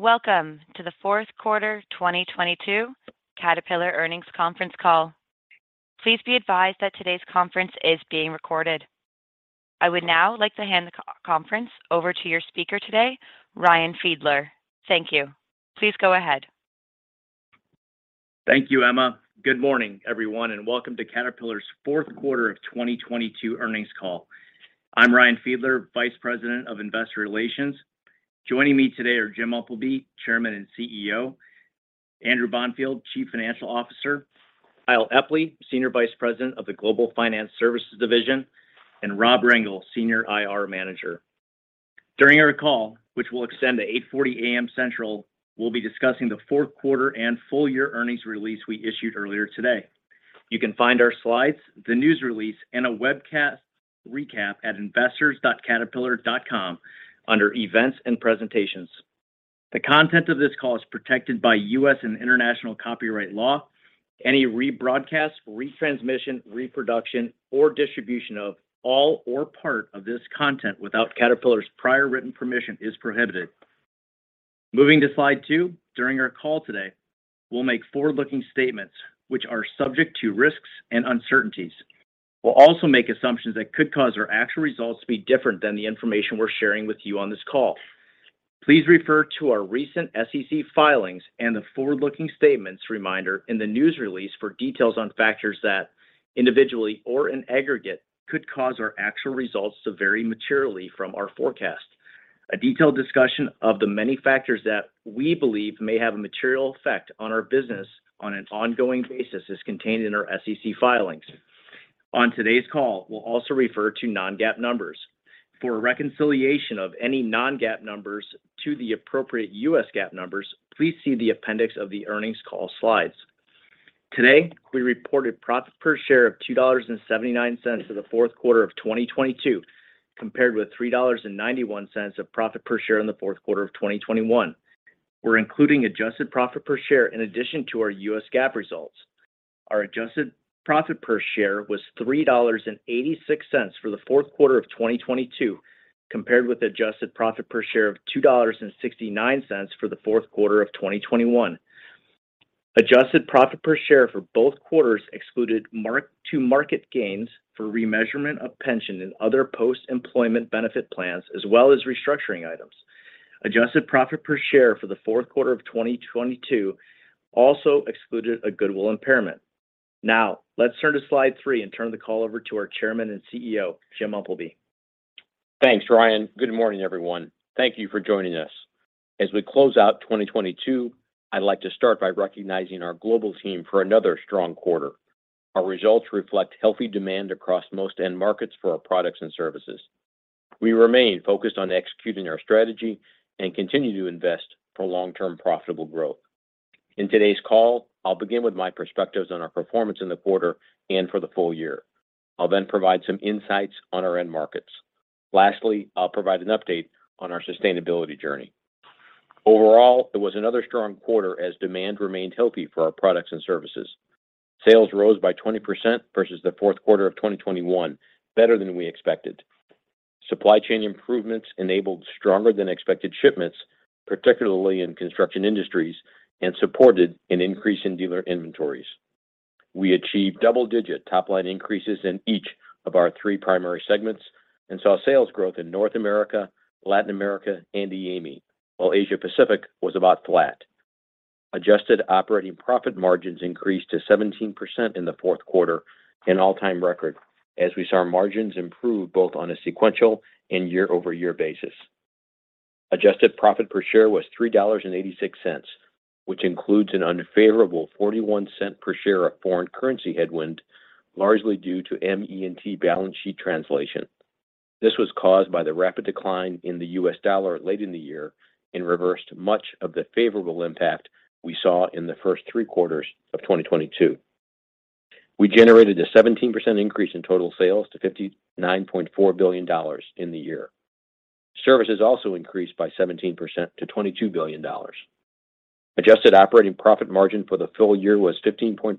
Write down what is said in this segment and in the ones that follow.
Welcome to the fourth quarter 2022 Caterpillar Earnings Conference Call. Please be advised that today's conference is being recorded. I would now like to hand the conference over to your speaker today, Ryan Fiedler. Thank you. Please go ahead. Thank you, Emma. Good morning, everyone, and welcome to Caterpillar's fourth quarter of 2022 earnings call. I'm Ryan Fiedler, Vice President of Investor Relations. Joining me today are Jim Umpleby, Chairman and CEO, Andrew Bonfield, Chief Financial Officer, Kyle Epley, Senior Vice President of the Global Finance Services Division, and Rob Rengel, Senior IR Manager. During our call, which will extend to 8:40 A.M. Central, we'll be discussing the fourth quarter and full year earnings release we issued earlier today. You can find our slides, the news release, and a webcast recap at investors.caterpillar.com under Events and Presentations. The content of this call is protected by U.S. and international copyright law. Any rebroadcast, retransmission, reproduction, or distribution of all or part of this content without Caterpillar's prior written permission is prohibited. Moving to slide 2. During our call today, we'll make forward-looking statements which are subject to risks and uncertainties. We'll also make assumptions that could cause our actual results to be different than the information we're sharing with you on this call. Please refer to our recent SEC filings and the forward-looking statements reminder in the news release for details on factors that individually or in aggregate could cause our actual results to vary materially from our forecast. A detailed discussion of the many factors that we believe may have a material effect on our business on an ongoing basis is contained in our SEC filings. On today's call, we'll also refer to non-GAAP numbers. For a reconciliation of any non-GAAP numbers to the appropriate U.S. GAAP numbers, please see the appendix of the earnings call slides. Today, we reported profit per share of $2.79 for the fourth quarter of 2022 compared with $3.91 of profit per share in the fourth quarter of 2021. We're including adjusted profit per share in addition to our U.S. GAAP results. Our adjusted profit per share was $3.86 for the fourth quarter of 2022 compared with adjusted profit per share of $2.69 for the fourth quarter of 2021. Adjusted profit per share for both quarters excluded mark-to-market gains for remeasurement of pension and other post-employment benefit plans, as well as restructuring items. Adjusted profit per share for the fourth quarter of 2022 also excluded a goodwill impairment. Now, let's turn to slide 3 and turn the call over to our Chairman and CEO, Jim Umpleby. Thanks, Ryan. Good morning, everyone. Thank you for joining us. As we close out 2022, I'd like to start by recognizing our global team for another strong quarter. Our results reflect healthy demand across most end markets for our products and services. We remain focused on executing our strategy and continue to invest for long-term profitable growth. In today's call, I'll begin with my perspectives on our performance in the quarter and for the full year. I'll provide some insights on our end markets. Lastly, I'll provide an update on our sustainability journey. Overall, it was another strong quarter as demand remained healthy for our products and services. Sales rose by 20% versus the fourth quarter of 2021, better than we expected. Supply chain improvements enabled stronger than expected shipments, particularly in Construction Industries, and supported an increase in dealer inventories. We achieved double-digit top line increases in each of our 3 primary segments and saw sales growth in North America, Latin America, and EAME, while Asia Pacific was about flat. Adjusted operating profit margins increased to 17% in the fourth quarter, an all-time record, as we saw margins improve both on a sequential and year-over-year basis. Adjusted profit per share was $3.86, which includes an unfavorable $0.41 per share of foreign currency headwind, largely due to ME&T balance sheet translation. This was caused by the rapid decline in the U.S. dollar late in the year and reversed much of the favorable impact we saw in the first 3 quarters of 2022. We generated a 17% increase in total sales to $59.4 billion in the year. Services also increased by 17% to $22 billion. Adjusted operating profit margin for the full year was 15.4%,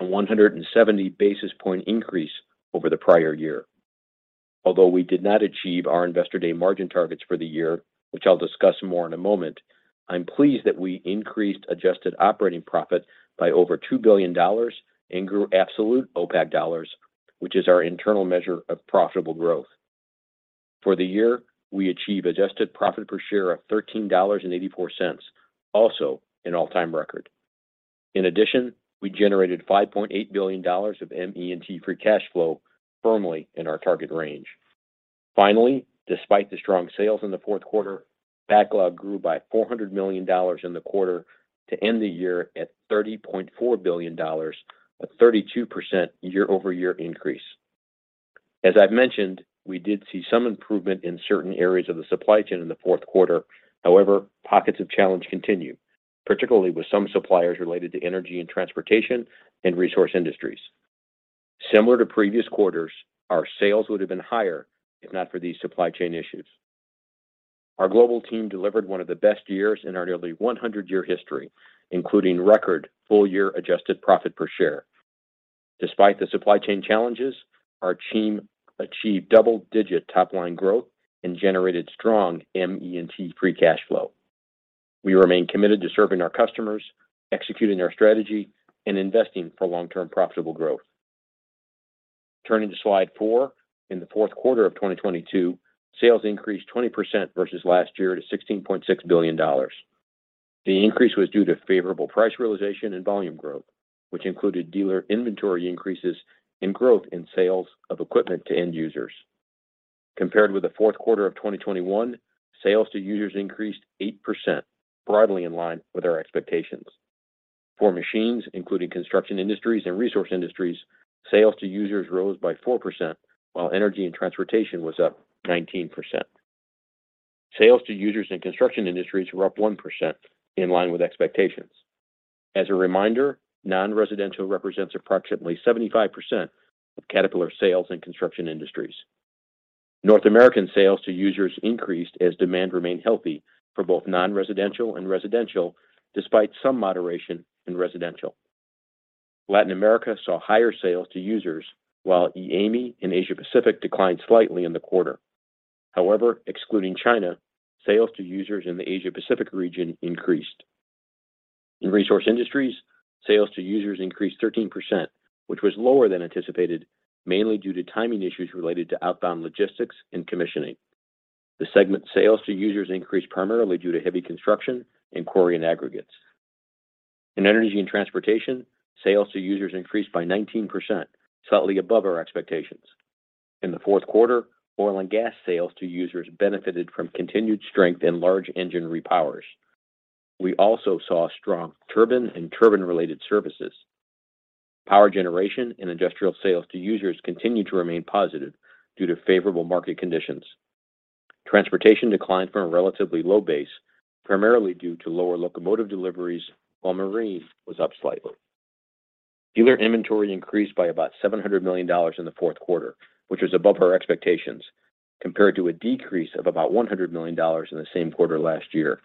a 170 basis point increase over the prior year. We did not achieve our Investor Day margin targets for the year, which I'll discuss more in a moment, I'm pleased that we increased adjusted operating profit by over $2 billion and grew absolute OPACC dollars, which is our internal measure of profitable growth. For the year, we achieved adjusted profit per share of $13.84, also an all-time record. We generated $5.8 billion of ME&T free cash flow firmly in our target range. Despite the strong sales in the fourth quarter, backlog grew by $400 million in the quarter to end the year at $30.4 billion, a 32% year-over-year increase. As I've mentioned, we did see some improvement in certain areas of the supply chain in the fourth quarter. Pockets of challenge continue, particularly with some suppliers related to Energy & Transportation and Resource Industries. Similar to previous quarters, our sales would have been higher if not for these supply chain issues. Our global team delivered one of the best years in our nearly 100-year history, including record full year adjusted profit per share. Despite the supply chain challenges, our team achieved double-digit top-line growth and generated strong ME&T free cash flow. We remain committed to serving our customers, executing our strategy, and investing for long-term profitable growth. Turning to slide 4. In the fourth quarter of 2022, sales increased 20% versus last year to $16.6 billion. The increase was due to favorable price realization and volume growth, which included dealer inventory increases and growth in sales of equipment to end users. Compared with the fourth quarter of 2021, sales to users increased 8%, broadly in line with our expectations. For machines, including Construction Industries and Resource Industries, sales to users rose by 4%, while Energy & Transportation was up 19%. Sales to users in Construction Industries were up 1% in line with expectations. As a reminder, non-residential represents approximately 75% of Caterpillar sales in Construction Industries. North American sales to users increased as demand remained healthy for both non-residential and residential despite some moderation in residential. Latin America saw higher sales to users while EAME and Asia Pacific declined slightly in the quarter. Excluding China, sales to users in the Asia Pacific region increased. In Resource Industries, Sales to Users increased 13%, which was lower than anticipated, mainly due to timing issues related to outbound logistics and commissioning. The segment Sales to Users increased primarily due to heavy construction in Quarry and Aggregates. In Energy & Transportation, Sales to Users increased by 19%, slightly above our expectations. In the fourth quarter, Oil & Gas Sales to Users benefited from continued strength in large engine repowers. We also saw strong turbine and turbine-related services. Power generation and industrial Sales to Users continued to remain positive due to favorable market conditions. Transportation declined from a relatively low base, primarily due to lower locomotive deliveries, while marine was up slightly. Dealer inventory increased by about $700 million in the fourth quarter, which was above our expectations compared to a decrease of about $100 million in the same quarter last year.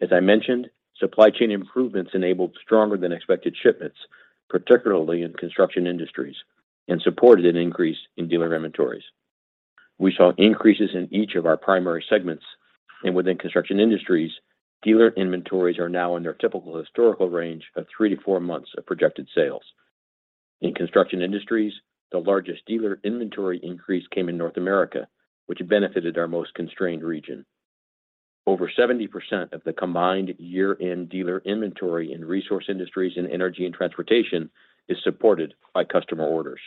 As I mentioned, supply chain improvements enabled stronger than expected shipments, particularly in Construction Industries, and supported an increase in dealer inventories. We saw increases in each of our primary segments and within Construction Industries. Dealer inventories are now in their typical historical range of three to four months of projected sales. In Construction Industries, the largest dealer inventory increase came in North America, which benefited our most constrained region. Over 70% of the combined year-end dealer inventory in Resource Industries and Energy & Transportation is supported by customer orders.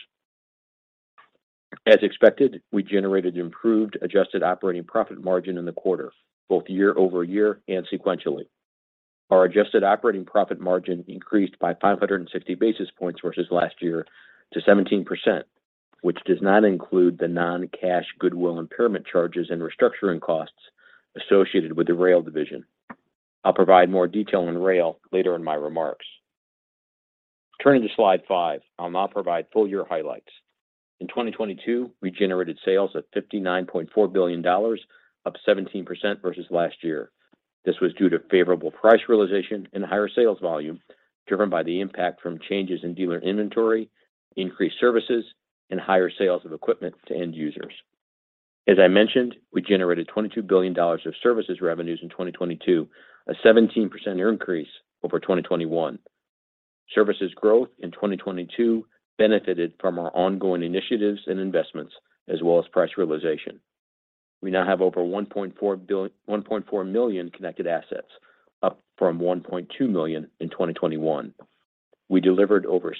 As expected, we generated improved adjusted operating profit margin in the quarter, both year-over-year and sequentially. Our adjusted operating profit margin increased by 560 basis points versus last year to 17%, which does not include the non-cash goodwill impairment charges and restructuring costs associated with Progress Rail. I'll provide more detail on rail later in my remarks. Turning to slide five, I'll now provide full year highlights. In 2022, we generated sales of $59.4 billion, up 17% versus last year. This was due to favorable price realization and higher sales volume, driven by the impact from changes in dealer inventory, increased services, and higher sales of equipment to end users. As I mentioned, we generated $22 billion of services revenues in 2022, a 17% increase over 2021. Services growth in 2022 benefited from our ongoing initiatives and investments as well as price realization. We now have over 1.4 million connected assets, up from 1.2 million in 2021. We delivered over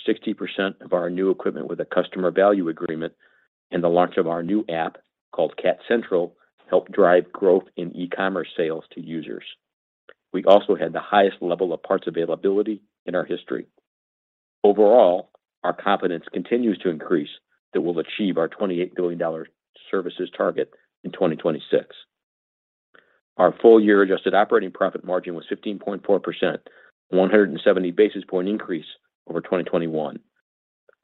60% of our new equipment with a Customer Value Agreement, and the launch of our new app called Cat Central helped drive growth in e-commerce sales to users. We also had the highest level of parts availability in our history. Overall, our confidence continues to increase that we'll achieve our $28 billion services target in 2026. Our full year adjusted operating profit margin was 15.4%, 170 basis point increase over 2021.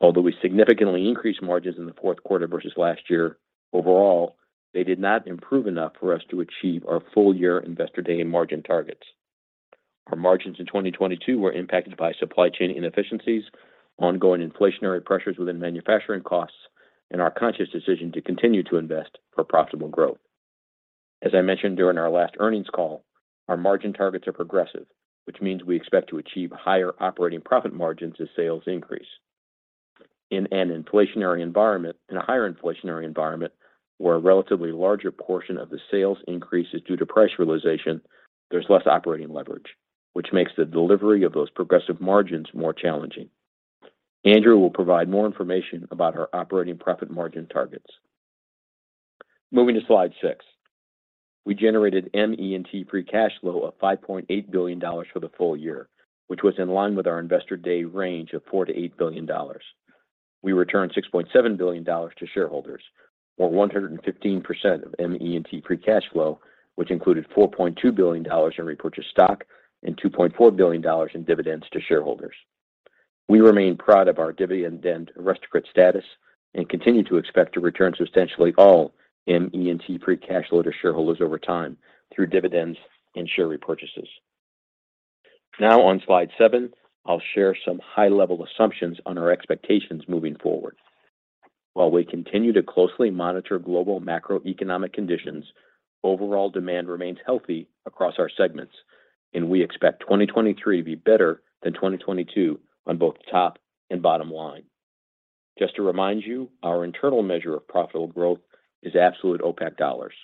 Although we significantly increased margins in the fourth quarter versus last year, overall, they did not improve enough for us to achieve our full year Investor Day and margin targets. Our margins in 2022 were impacted by supply chain inefficiencies, ongoing inflationary pressures within manufacturing costs, and our conscious decision to continue to invest for profitable growth. As I mentioned during our last earnings call, our margin targets are progressive, which means we expect to achieve higher operating profit margins as sales increase. In a higher inflationary environment where a relatively larger portion of the sales increase is due to price realization, there's less operating leverage, which makes the delivery of those progressive margins more challenging. Andrew will provide more information about our operating profit margin targets. Moving to slide 6. We generated ME&T pre-cash flow of $5.8 billion for the full year, which was in line with our Investor Day range of $4 billion-$8 billion. We returned $6.7 billion to shareholders, or 115% of ME&T pre-cash flow, which included $4.2 billion in repurchased stock and $2.4 billion in dividends to shareholders. We remain proud of our Dividend Aristocrat status and continue to expect to return substantially all ME&T free cash flow to shareholders over time through dividends and share repurchases. On slide 7, I'll share some high-level assumptions on our expectations moving forward. While we continue to closely monitor global macroeconomic conditions, overall demand remains healthy across our segments, and we expect 2023 to be better than 2022 on both top and bottom line. Just to remind you, our internal measure of profitable growth is absolute OPACC dollars.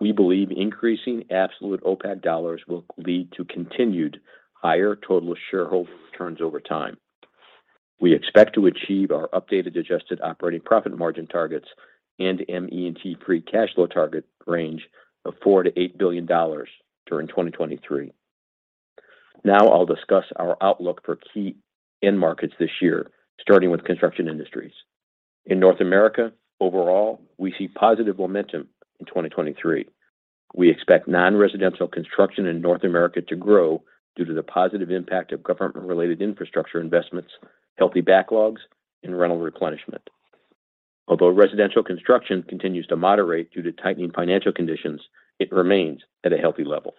We believe increasing absolute OPACC dollars will lead to continued higher total shareholder returns over time. We expect to achieve our updated adjusted operating profit margin targets and ME&T free cash flow target range of $4 billion-$8 billion during 2023. I'll discuss our outlook for key end markets this year, starting with Construction Industries. In North America, overall, we see positive momentum in 2023. We expect non-residential construction in North America to grow due to the positive impact of government-related infrastructure investments, healthy backlogs, and rental replenishment. Although residential construction continues to moderate due to tightening financial conditions, it remains at a healthy level.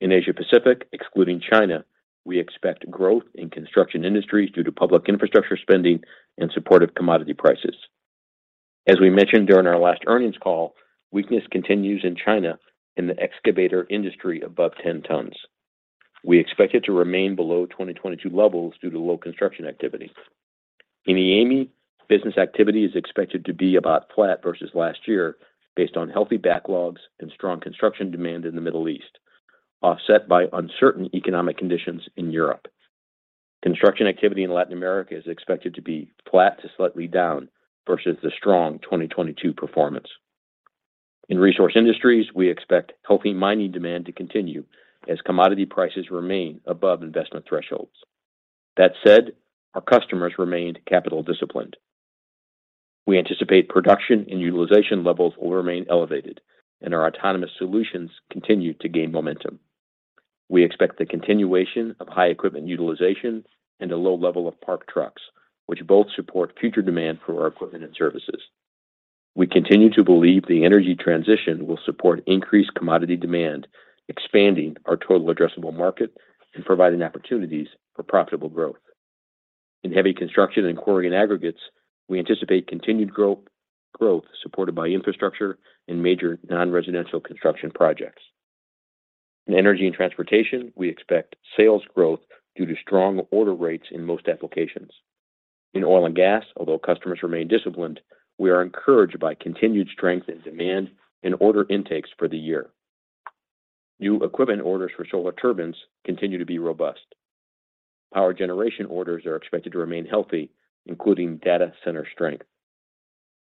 In Asia Pacific, excluding China, we expect growth in Construction Industries due to public infrastructure spending and supportive commodity prices. As we mentioned during our last earnings call, weakness continues in China in the excavator industry above 10 tons. We expect it to remain below 2022 levels due to low construction activity. In EAME, business activity is expected to be about flat versus last year based on healthy backlogs and strong construction demand in the Middle East, offset by uncertain economic conditions in Europe. Construction activity in Latin America is expected to be flat to slightly down versus the strong 2022 performance. In Resource Industries, we expect healthy mining demand to continue as commodity prices remain above investment thresholds. That said, our customers remained capital disciplined. We anticipate production and utilization levels will remain elevated, and our autonomous solutions continue to gain momentum. We expect the continuation of high equipment utilization and a low level of parked trucks, which both support future demand for our equipment and services. We continue to believe the energy transition will support increased commodity demand, expanding our total addressable market and providing opportunities for profitable growth. In heavy construction and Quarry and Aggregates, we anticipate continued growth supported by infrastructure and major non-residential construction projects. In Energy & Transportation, we expect sales growth due to strong order rates in most applications. In oil and gas, although customers remain disciplined, we are encouraged by continued strength in demand and order intakes for the year. New equipment orders for Solar Turbines continue to be robust. Power generation orders are expected to remain healthy, including data center strength.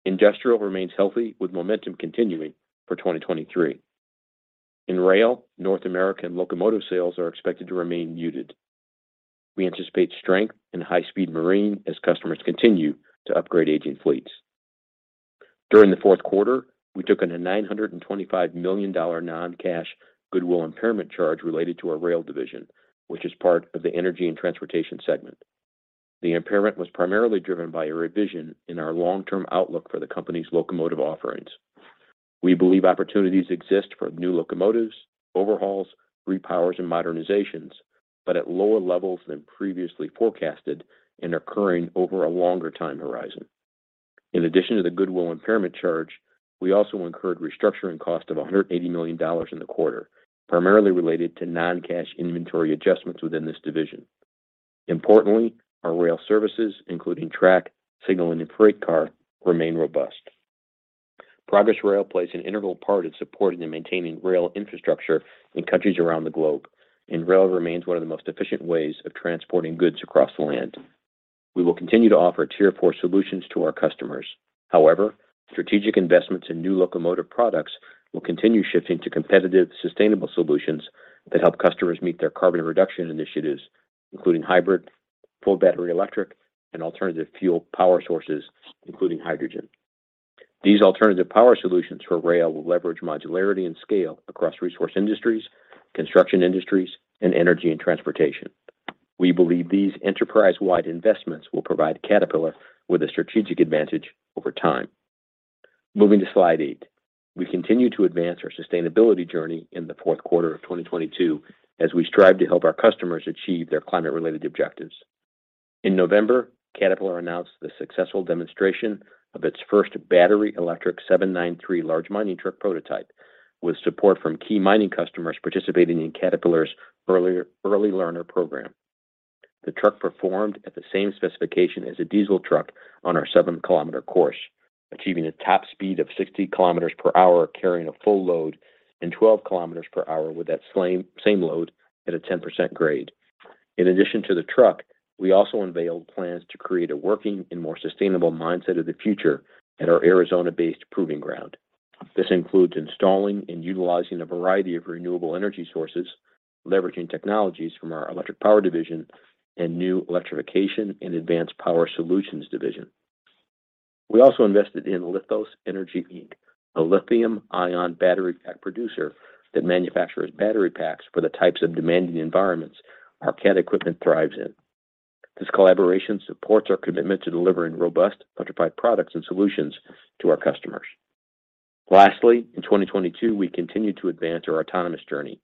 Industrial remains healthy with momentum continuing for 2023. In rail, North American locomotive sales are expected to remain muted. We anticipate strength in high-speed marine as customers continue to upgrade aging fleets. During the fourth quarter, we took a $925 million non-cash goodwill impairment charge related to our Rail division, which is part of the Energy & Transportation segment. The impairment was primarily driven by a revision in our long-term outlook for the company's locomotive offerings. We believe opportunities exist for new locomotives, overhauls, repowers, and modernizations, but at lower levels than previously forecasted and occurring over a longer time horizon. In addition to the goodwill impairment charge, we also incurred restructuring cost of $180 million in the quarter, primarily related to non-cash inventory adjustments within this division. Importantly, our rail services, including track, signaling, and freight car, remain robust. Progress Rail plays an integral part in supporting and maintaining rail infrastructure in countries around the globe. Rail remains one of the most efficient ways of transporting goods across the land. We will continue to offer Tier 4 solutions to our customers. However, strategic investments in new locomotive products will continue shifting to competitive, sustainable solutions that help customers meet their carbon reduction initiatives, including hybrid, full battery electric, and alternative fuel power sources, including hydrogen. These alternative power solutions for rail will leverage modularity and scale across Resource Industries, Construction Industries, and Energy & Transportation. We believe these enterprise-wide investments will provide Caterpillar with a strategic advantage over time. Moving to slide 8. We continued to advance our sustainability journey in the fourth quarter of 2022 as we strive to help our customers achieve their climate-related objectives. In November, Caterpillar announced the successful demonstration of its first battery electric 793 large mining truck prototype with support from key mining customers participating in Caterpillar's Early Learner Program. The truck performed at the same specification as a diesel truck on our 7-kilometer course, achieving a top speed of 60 kilometers per hour carrying a full load and 12 kilometers per hour with that same load at a 10% grade. In addition to the truck, we also unveiled plans to create a working and more sustainable minesite of the future at our Arizona-based proving ground. This includes installing and utilizing a variety of renewable energy sources, leveraging technologies from our Electric Power Division and new Electrification + Energy Solutions Division. We also invested in Lithos Energy, Inc., a lithium-ion battery pack producer that manufactures battery packs for the types of demanding environments our Cat equipment thrives in. This collaboration supports our commitment to delivering robust electrified products and solutions to our customers. Lastly, in 2022, we continued to advance our autonomous journey,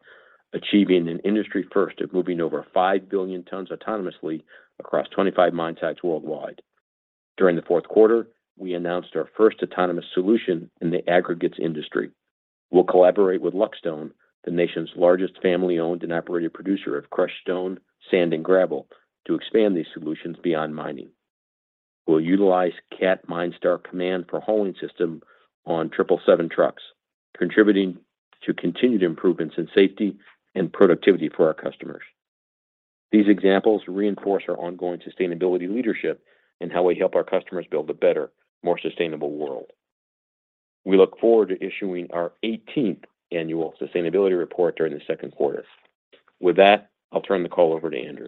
achieving an industry first of moving over 5 billion tons autonomously across 25 mine sites worldwide. During the fourth quarter, we announced our first autonomous solution in the aggregates industry. We'll collaborate with Luck Stone, the nation's largest family-owned and operated producer of crushed stone, sand, and gravel, to expand these solutions beyond mining. We'll utilize Cat MineStar command for hauling system on 777 trucks, contributing to continued improvements in safety and productivity for our customers. These examples reinforce our ongoing sustainability leadership and how we help our customers build a better, more sustainable world. We look forward to issuing our eighteenth annual sustainability report during the second quarter. With that, I'll turn the call over to Andrew.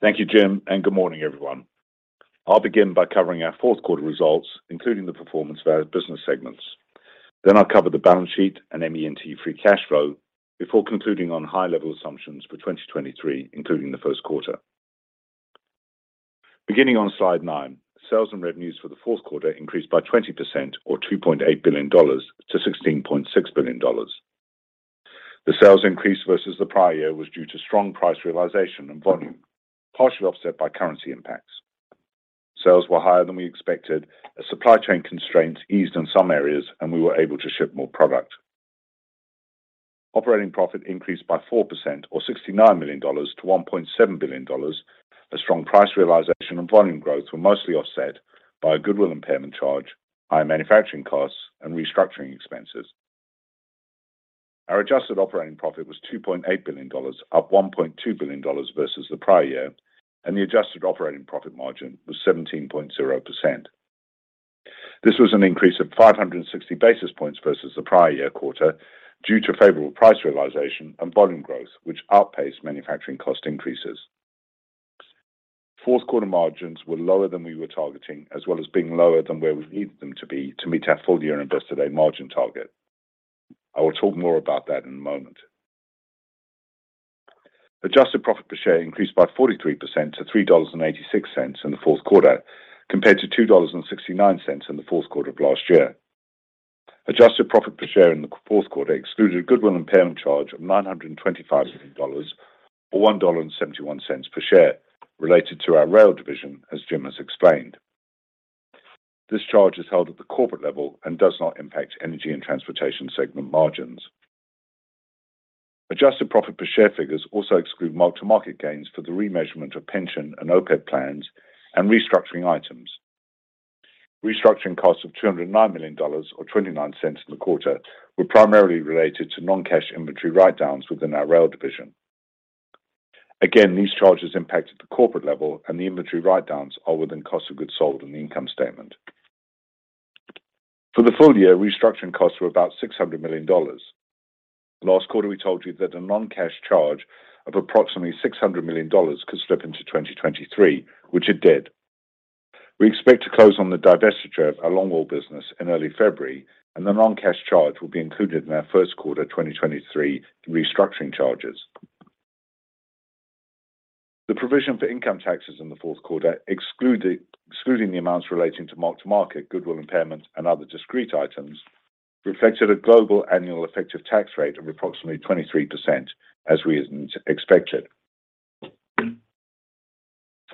Thank you, Jim, and good morning, everyone. I'll begin by covering our fourth quarter results, including the performance of our business segments. I'll cover the balance sheet and ME&T free cash flow before concluding on high-level assumptions for 2023, including the first quarter. Beginning on slide 9, sales and revenues for the fourth quarter increased by 20% or $2.8 billion to $16.6 billion. The sales increase versus the prior year was due to strong price realization and volume, partially offset by currency impacts. Sales were higher than we expected as supply chain constraints eased in some areas, and we were able to ship more product. Operating profit increased by 4% or $69 million to $1.7 billion as strong price realization and volume growth were mostly offset by a goodwill impairment charge, higher manufacturing costs, and restructuring expenses. Our adjusted operating profit was $2.8 billion, up $1.2 billion versus the prior year, and the adjusted operating profit margin was 17.0%. This was an increase of 560 basis points versus the prior year quarter due to favorable price realization and volume growth, which outpaced manufacturing cost increases. Fourth quarter margins were lower than we were targeting, as well as being lower than where we needed them to be to meet our full-year Investor Day margin target. I will talk more about that in a moment. Adjusted profit per share increased by 43% to $3.86 in the fourth quarter, compared to $2.69 in the fourth quarter of last year. Adjusted profit per share in the fourth quarter excluded a goodwill impairment charge of $925 million or $1.71 per share related to our rail division, as Jim has explained. This charge is held at the corporate level and does not impact Energy & Transportation segment margins. Adjusted profit per share figures also exclude mark-to-market gains for the remeasurement of pension and OPEB plans and restructuring items. Restructuring costs of $209 million or $0.29 in the quarter were primarily related to non-cash inventory write-downs within our rail division. These charges impacted the corporate level, and the inventory write-downs are within cost of goods sold in the income statement. For the full year, restructuring costs were about $600 million. Last quarter, we told you that a non-cash charge of approximately $600 million could slip into 2023, which it did. We expect to close on the divestiture of our Longwall business in early February, and the non-cash charge will be included in our first quarter 2023 restructuring charges. The provision for income taxes in the fourth quarter, excluding the amounts relating to mark-to-market goodwill impairment and other discrete items, reflected a global annual effective tax rate of approximately 23%, as we had expected.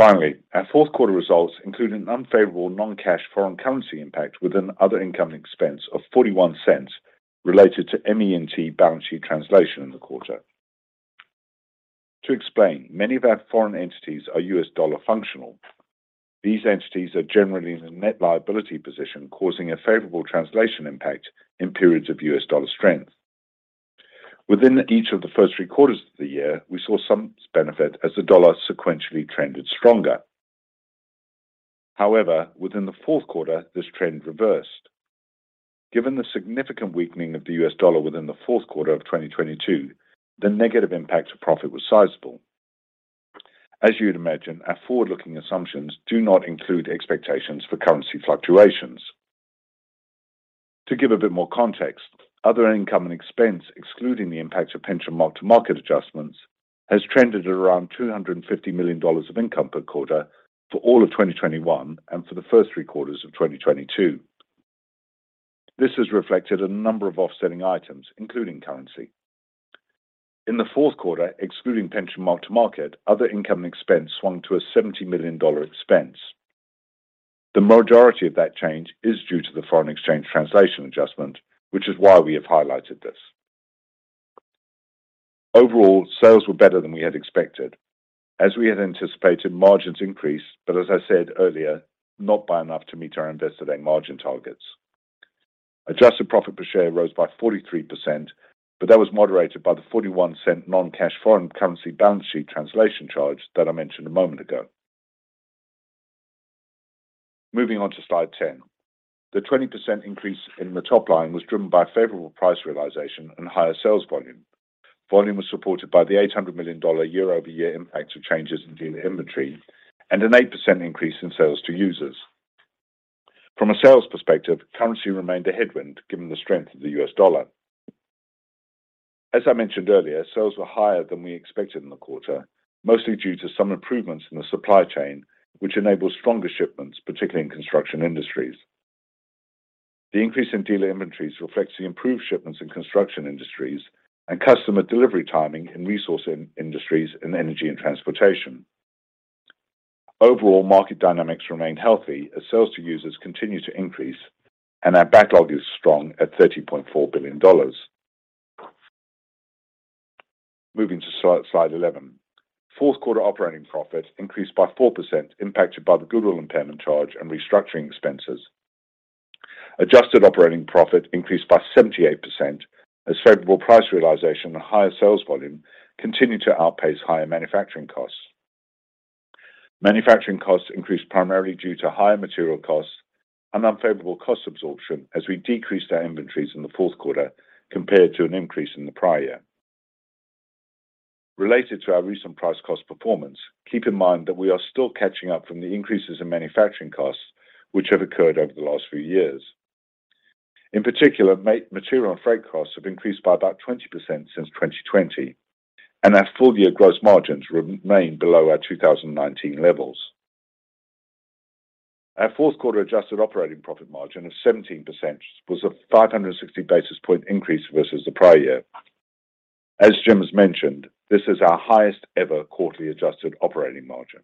Our fourth quarter results include an unfavorable non-cash foreign currency impact within other income expense of $0.41 related to ME&T balance sheet translation in the quarter. To explain, many of our foreign entities are US dollar functional. These entities are generally in a net liability position, causing a favorable translation impact in periods of US dollar strength. Within each of the first three quarters of the year, we saw some benefit as the dollar sequentially trended stronger. Within the fourth quarter, this trend reversed. Given the significant weakening of the US dollar within the fourth quarter of 2022, the negative impact to profit was sizable. As you would imagine, our forward-looking assumptions do not include expectations for currency fluctuations. To give a bit more context, other income and expense, excluding the impact of pension mark-to-market adjustments, has trended at around $250 million of income per quarter for all of 2021 and for the first three quarters of 2022. This has reflected a number of offsetting items, including currency. In the fourth quarter, excluding pension mark-to-market, other income expense swung to a $70 million expense. The majority of that change is due to the foreign exchange translation adjustment, which is why we have highlighted this. Sales were better than we had expected. As we had anticipated, margins increased, as I said earlier, not by enough to meet our Investor Day margin targets. Adjusted profit per share rose by 43%, that was moderated by the $0.41 non-cash foreign currency balance sheet translation charge that I mentioned a moment ago. Moving on to slide 10. The 20% increase in the top line was driven by favorable price realization and higher sales volume. Volume was supported by the $800 million year-over-year impact of changes in dealer inventory and an 8% increase in sales to users. From a sales perspective, currency remained a headwind given the strength of the US dollar. As I mentioned earlier, sales were higher than we expected in the quarter, mostly due to some improvements in the supply chain, which enabled stronger shipments, particularly in Construction Industries. The increase in dealer inventories reflects the improved shipments in Construction Industries and customer delivery timing in Resource Industries and Energy & Transportation. Overall, market dynamics remain healthy as sales to users continue to increase and our backlog is strong at $30.4 billion. Moving to slide 11. Fourth quarter operating profit increased by 4% impacted by the goodwill impairment charge and restructuring expenses. Adjusted operating profit increased by 78% as favorable price realization and higher sales volume continued to outpace higher manufacturing costs. Manufacturing costs increased primarily due to higher material costs and unfavorable cost absorption as we decreased our inventories in the fourth quarter compared to an increase in the prior year. Related to our recent price cost performance, keep in mind that we are still catching up from the increases in manufacturing costs which have occurred over the last few years. In particular, material and freight costs have increased by about 20% since 2020, and our full year gross margins remain below our 2019 levels. Our fourth quarter adjusted operating profit margin of 17% was a 560 basis point increase versus the prior year. As Jim has mentioned, this is our highest ever quarterly adjusted operating margin.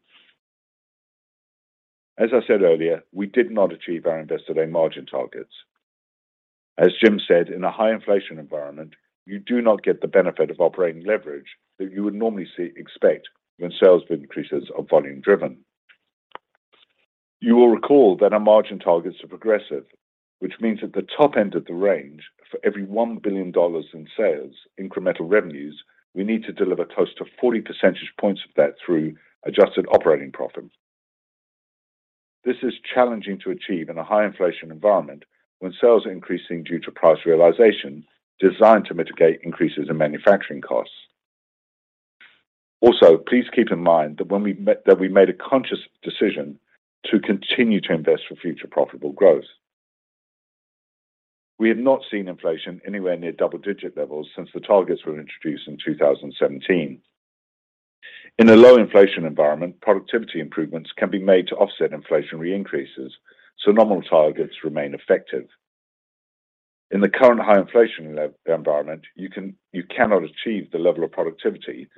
As I said earlier, we did not achieve our invested margin targets. As Jim said, in a high inflation environment, you do not get the benefit of operating leverage that you would normally expect when sales increases are volume driven. You will recall that our margin targets are progressive, which means at the top end of the range, for every $1 billion in sales incremental revenues, we need to deliver close to 40 percentage points of that through adjusted operating profit. This is challenging to achieve in a high inflation environment when sales are increasing due to price realization designed to mitigate increases in manufacturing costs. Also, please keep in mind that we made a conscious decision to continue to invest for future profitable growth. We have not seen inflation anywhere near double-digit levels since the targets were introduced in 2017. In a low inflation environment, productivity improvements can be made to offset inflationary increases. Normal targets remain effective. In the current high inflation environment, you cannot achieve the level of productivity.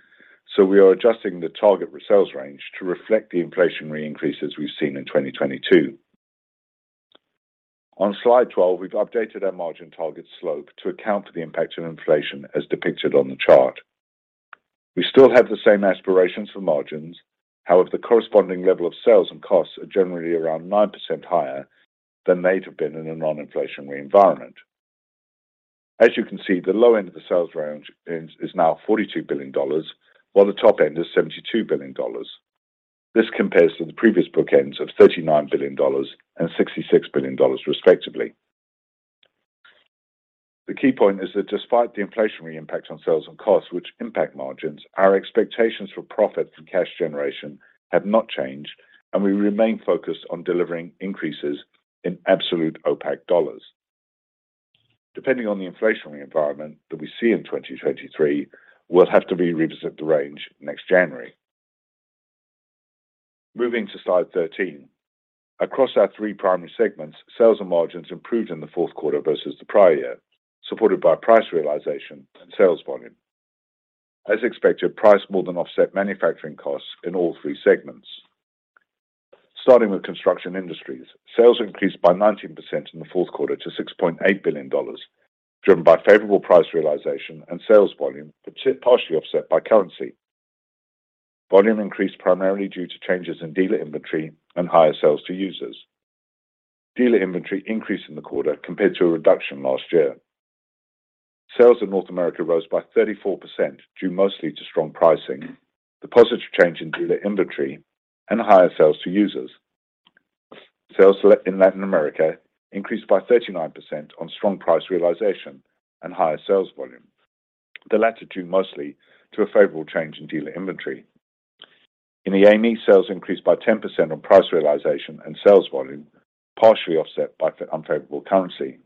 We are adjusting the target for sales range to reflect the inflationary increases we've seen in 2022. On slide 12, we've updated our margin target slope to account for the impact of inflation as depicted on the chart. We still have the same aspirations for margins. However, the corresponding level of sales and costs are generally around 9% higher than they'd have been in a non-inflationary environment. As you can see, the low end of the sales range is now $42 billion, while the top end is $72 billion. This compares to the previous bookends of $39 billion and $66 billion, respectively. The key point is that despite the inflationary impact on sales and costs which impact margins, our expectations for profit and cash generation have not changed. We remain focused on delivering increases in absolute OPACC dollars. Depending on the inflationary environment that we see in 2023, we'll have to revisit the range next January. Moving to slide 13. Across our three primary segments, sales and margins improved in the fourth quarter versus the prior year, supported by price realization and sales volume. As expected, price more than offset manufacturing costs in all three segments. Starting with Construction Industries, sales increased by 19% in the fourth quarter to $6.8 billion, driven by favorable price realization and sales volume, partially offset by currency. Volume increased primarily due to changes in dealer inventory and higher sales to users. Dealer inventory increased in the quarter compared to a reduction last year. Sales in North America rose by 34% due mostly to strong pricing. The positive change in dealer inventory and higher sales to users. Sales in Latin America increased by 39% on strong price realization and higher sales volume. The latter due mostly to a favorable change in dealer inventory. In the EAME, sales increased by 10% on price realization and sales volume, partially offset by the unfavorable currency.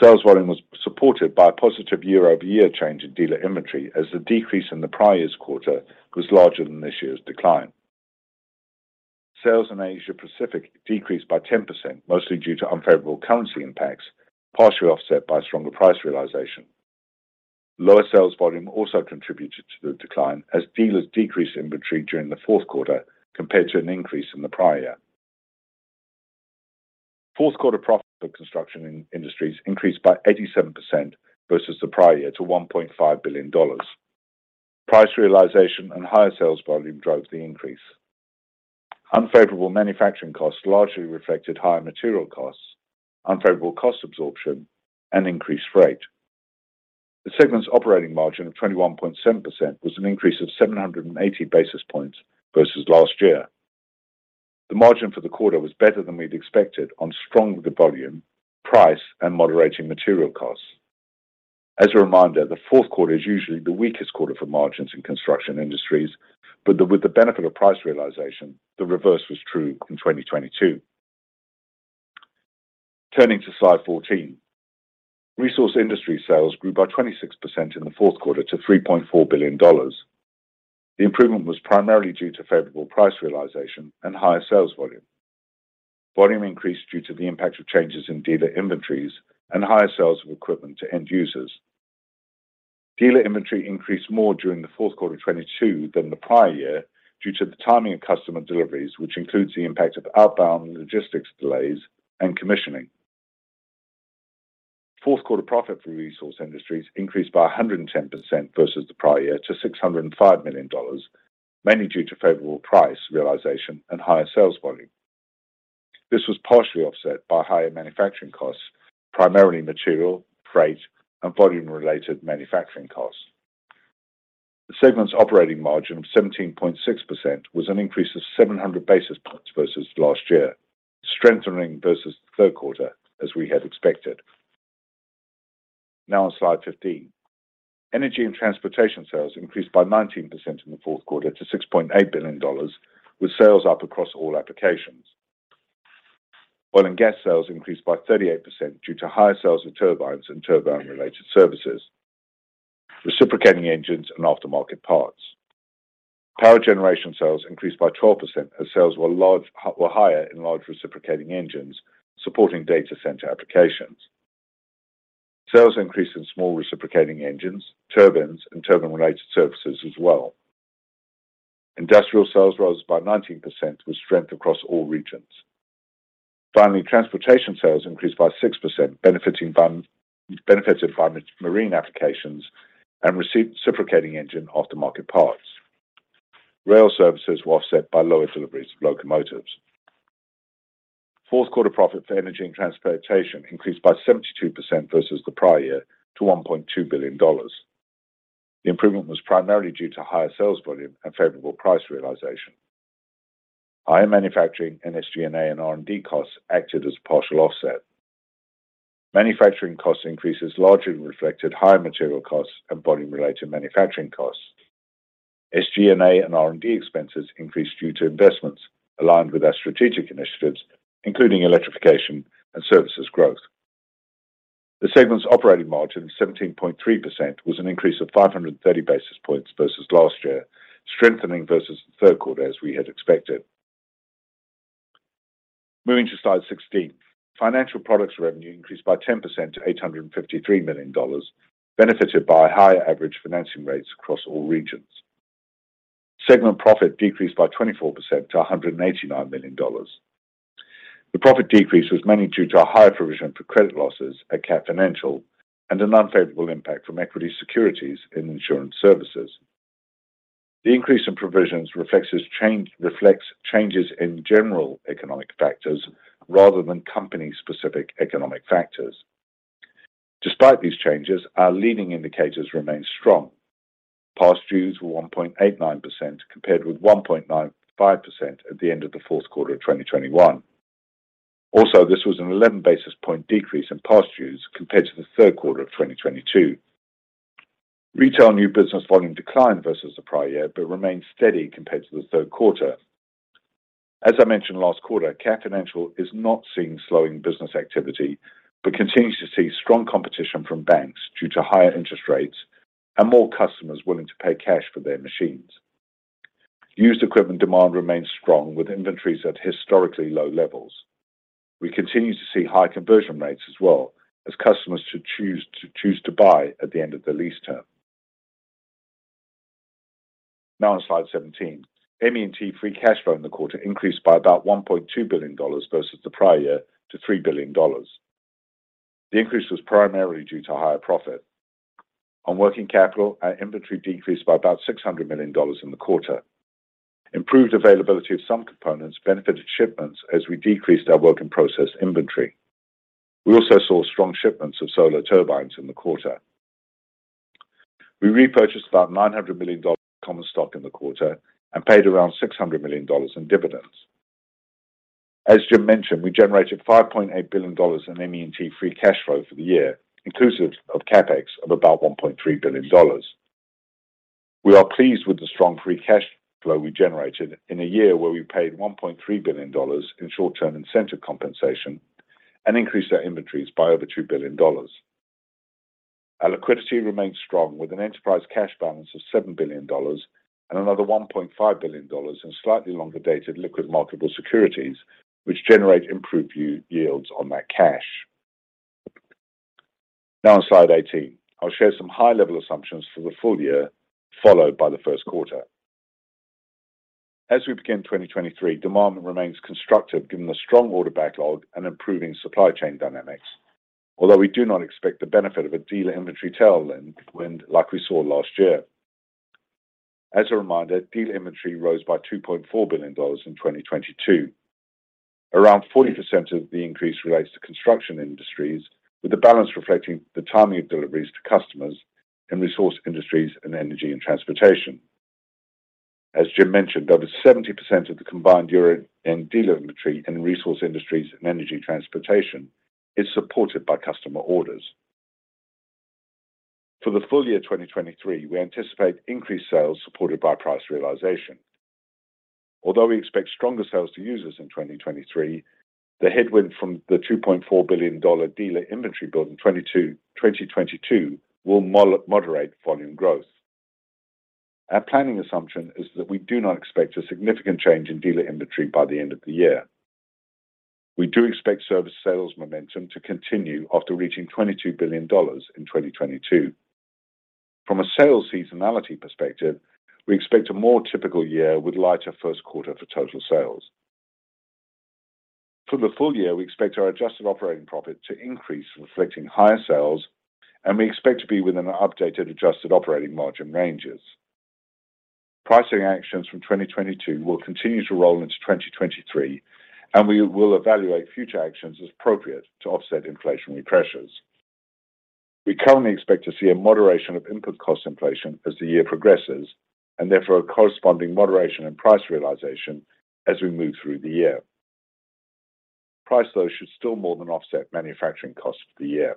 Sales volume was supported by a positive year-over-year change in dealer inventory as the decrease in the prior year's quarter was larger than this year's decline. Sales in Asia Pacific decreased by 10%, mostly due to unfavorable currency impacts, partially offset by stronger price realization. Lower sales volume also contributed to the decline as dealers decreased inventory during the fourth quarter compared to an increase in the prior year. Fourth quarter profit for Construction Industries increased by 87% versus the prior year to $1.5 billion. Price realization and higher sales volume drove the increase. Unfavorable manufacturing costs largely reflected higher material costs, unfavorable cost absorption and increased rate. The segment's operating margin of 21.7% was an increase of 780 basis points versus last year. The margin for the quarter was better than we'd expected on stronger volume, price, and moderating material costs. As a reminder, the fourth quarter is usually the weakest quarter for margins in Construction Industries, with the benefit of price realization, the reverse was true in 2022. Turning to slide 14, Resource Industries sales grew by 26% in the fourth quarter to $3.4 billion. The improvement was primarily due to favorable price realization and higher sales volume. Volume increased due to the impact of changes in dealer inventories and higher sales of equipment to end users. Dealer inventory increased more during the fourth quarter 2022 than the prior year due to the timing of customer deliveries, which includes the impact of outbound logistics delays and commissioning. Fourth quarter profit for Resource Industries increased by 110% versus the prior year to $605 million, mainly due to favorable price realization and higher sales volume. This was partially offset by higher manufacturing costs, primarily material, freight, and volume-related manufacturing costs. The segment's operating margin of 17.6% was an increase of 700 basis points versus last year, strengthening versus the third quarter, as we had expected. On slide 15. Energy & Transportation sales increased by 19% in the fourth quarter to $6.8 billion, with sales up across all applications. Oil & Gas sales increased by 38% due to higher sales of turbines and turbine-related services, reciprocating engines, and aftermarket parts. Power Generation sales increased by 12% as sales were higher in large reciprocating engines supporting data center applications. Sales increased in small reciprocating engines, turbines, and turbine-related services as well. Industrial sales rose by 19% with strength across all regions. Finally, Transportation sales increased by 6%, benefited from marine applications and reciprocating engine aftermarket parts. Rail services were offset by lower deliveries of locomotives. Fourth quarter profit for Energy & Transportation increased by 72% versus the prior year to $1.2 billion. The improvement was primarily due to higher sales volume and favorable price realization. Higher manufacturing and SG&A and R&D costs acted as a partial offset. Manufacturing cost increases largely reflected higher material costs and volume-related manufacturing costs. SG&A and R&D expenses increased due to investments aligned with our strategic initiatives, including electrification and services growth. The segment's operating margin of 17.3% was an increase of 530 basis points versus last year, strengthening versus the third quarter as we had expected. Moving to slide 16. Financial Products revenue increased by 10% to $853 million, benefited by higher average financing rates across all regions. Segment profit decreased by 24% to $189 million. The profit decrease was mainly due to a higher provision for credit losses at Cat Financial and an unfavorable impact from equity securities in Insurance Services. The increase in provisions reflects changes in general economic factors rather than company-specific economic factors. Despite these changes, our leading indicators remain strong. Past dues were 1.89% compared with 1.95% at the end of the fourth quarter of 2021. This was an 11 basis point decrease in past dues compared to the third quarter of 2022. Retail new business volume declined versus the prior year, but remained steady compared to the third quarter. As I mentioned last quarter, Cat Financial is not seeing slowing business activity but continues to see strong competition from banks due to higher interest rates and more customers willing to pay cash for their machines. Used equipment demand remains strong with inventories at historically low levels. We continue to see high conversion rates as well as customers to choose to buy at the end of the lease term. On slide 17. ME&T free cash flow in the quarter increased by about $1.2 billion versus the prior year to $3 billion. The increase was primarily due to higher profit. On working capital, our inventory decreased by about $600 million in the quarter. Improved availability of some components benefited shipments as we decreased our work in process inventory. We also saw strong shipments of Solar Turbines in the quarter. We repurchased about $900 million common stock in the quarter and paid around $600 million in dividends. As Jim mentioned, we generated $5.8 billion in ME&T free cash flow for the year, inclusive of CapEx of about $1.3 billion. We are pleased with the strong free cash flow we generated in a year where we paid $1.3 billion in short-term incentive compensation and increased our inventories by over $2 billion. Our liquidity remains strong with an enterprise cash balance of $7 billion and another $1.5 billion in slightly longer-dated liquid marketable securities, which generate improved yields on that cash. On slide 18. I'll share some high-level assumptions for the full year, followed by the first quarter. As we begin 2023, demand remains constructive given the strong order backlog and improving supply chain dynamics. We do not expect the benefit of a dealer inventory tailwind, like we saw last year. As a reminder, dealer inventory rose by $2.4 billion in 2022. Around 40% of the increase relates to Construction Industries, with the balance reflecting the timing of deliveries to customers in Resource Industries and Energy and Transportation. As Jim mentioned, over 70% of the combined year-end dealer inventory in Resource Industries and Energy and Transportation is supported by customer orders. For the full year 2023, we anticipate increased sales supported by price realization. We expect stronger sales to users in 2023, the headwind from the $2.4 billion dealer inventory build in 2022 will moderate volume growth. Our planning assumption is that we do not expect a significant change in dealer inventory by the end of the year. We do expect service sales momentum to continue after reaching $22 billion in 2022. From a sales seasonality perspective, we expect a more typical year with lighter first quarter for total sales. For the full year, we expect our adjusted operating profit to increase, reflecting higher sales, and we expect to be within our updated adjusted operating margin ranges. Pricing actions from 2022 will continue to roll into 2023, and we will evaluate future actions as appropriate to offset inflationary pressures. We currently expect to see a moderation of input cost inflation as the year progresses, and therefore a corresponding moderation in price realization as we move through the year. Price, though, should still more than offset manufacturing costs for the year.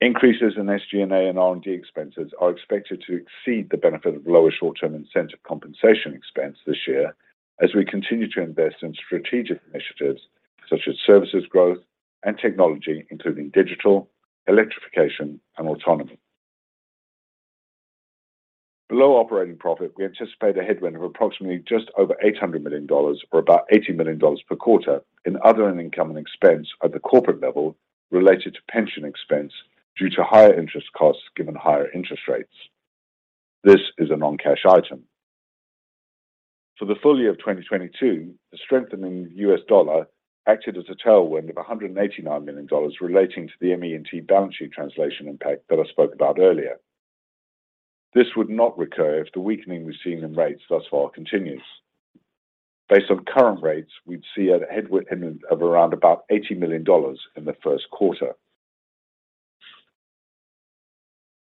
Increases in SG&A and R&D expenses are expected to exceed the benefit of lower short-term incentive compensation expense this year as we continue to invest in strategic initiatives such as services growth and technology, including digital, electrification, and autonomy. Below operating profit, we anticipate a headwind of approximately just over $800 million or about $80 million per quarter in other income and expense at the corporate level related to pension expense due to higher interest costs given higher interest rates. This is a non-cash item. For the full year of 2022, the strengthening of the U.S. dollar acted as a tailwind of $189 million relating to the ME&T balance sheet translation impact that I spoke about earlier. This would not recur if the weakening we've seen in rates thus far continues. Based on current rates, we'd see a headwind of around about $80 million in the first quarter.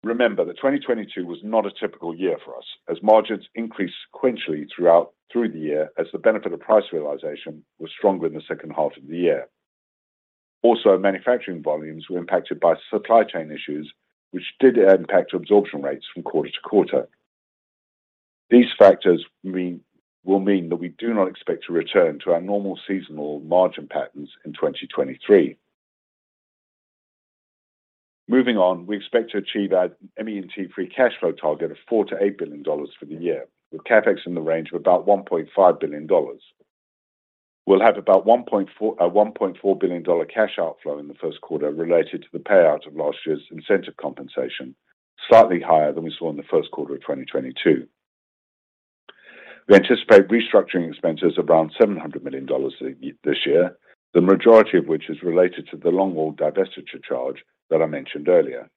Remember that 2022 was not a typical year for us as margins increased sequentially through the year as the benefit of price realization was stronger in the second half of the year. Also, manufacturing volumes were impacted by supply chain issues which did impact absorption rates from quarter to quarter. These factors will mean that we do not expect to return to our normal seasonal margin patterns in 2023. Moving on, we expect to achieve our ME&T free cash flow target of $4 billion-$8 billion for the year, with CapEx in the range of about $1.5 billion. We'll have about $1.4 billion cash outflow in the first quarter related to the payout of last year's incentive compensation, slightly higher than we saw in the first quarter of 2022. We anticipate restructuring expenses of around $700 million this year, the majority of which is related to the Longwall divestiture charge that I mentioned earlier.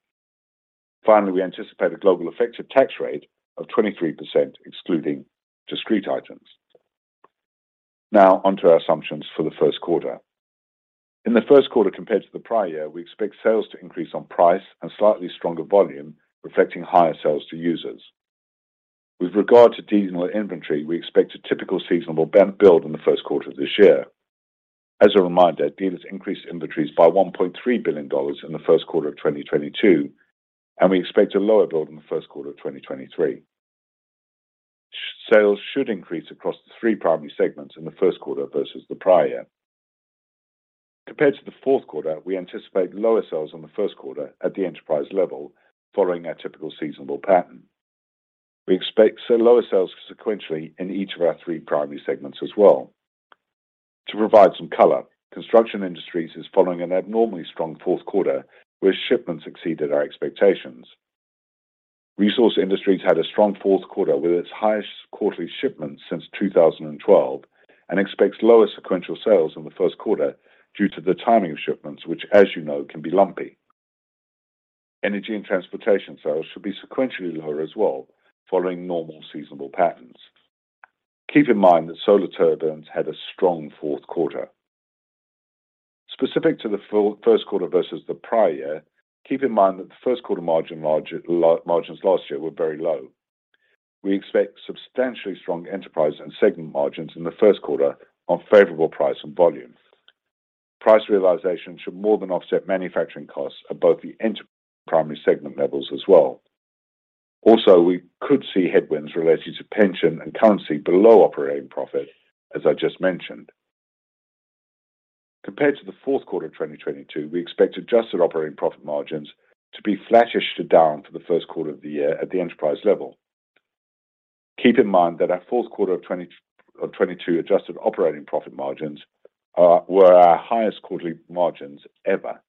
Finally, we anticipate a global effective tax rate of 23%, excluding discrete items. On to our assumptions for the first quarter. In the first quarter compared to the prior year, we expect sales to increase on price and slightly stronger volume, reflecting higher sales to users. With regard to dealer inventory, we expect a typical seasonal build in the first quarter of this year. As a reminder, dealers increased inventories by $1.3 billion in the first quarter of 2022, and we expect a lower build in the first quarter of 2023. Sales should increase across the three primary segments in the first quarter versus the prior year. Compared to the fourth quarter, we anticipate lower sales on the first quarter at the enterprise level following our typical seasonal pattern. We expect lower sales sequentially in each of our three primary segments as well. To provide some color, Construction Industries is following an abnormally strong fourth quarter, where shipments exceeded our expectations. Resource Industries had a strong fourth quarter with its highest quarterly shipments since 2012 and expects lower sequential sales in the first quarter due to the timing of shipments, which, as you know, can be lumpy. Energy and Transportation sales should be sequentially lower as well following normal seasonal patterns. Keep in mind that Solar Turbines had a strong fourth quarter. Specific to the first quarter versus the prior year, keep in mind that the first quarter margins last year were very low. We expect substantially strong enterprise and segment margins in the first quarter on favorable price and volume. Price realization should more than offset manufacturing costs at both the enterprise and primary segment levels as well. We could see headwinds related to pension and currency below operating profit, as I just mentioned. Compared to the fourth quarter of 2022, we expect adjusted operating profit margins to be flattish to down for the first quarter of the year at the enterprise level. Keep in mind that our fourth quarter of 2022 adjusted operating profit margins were our highest quarterly margins ever.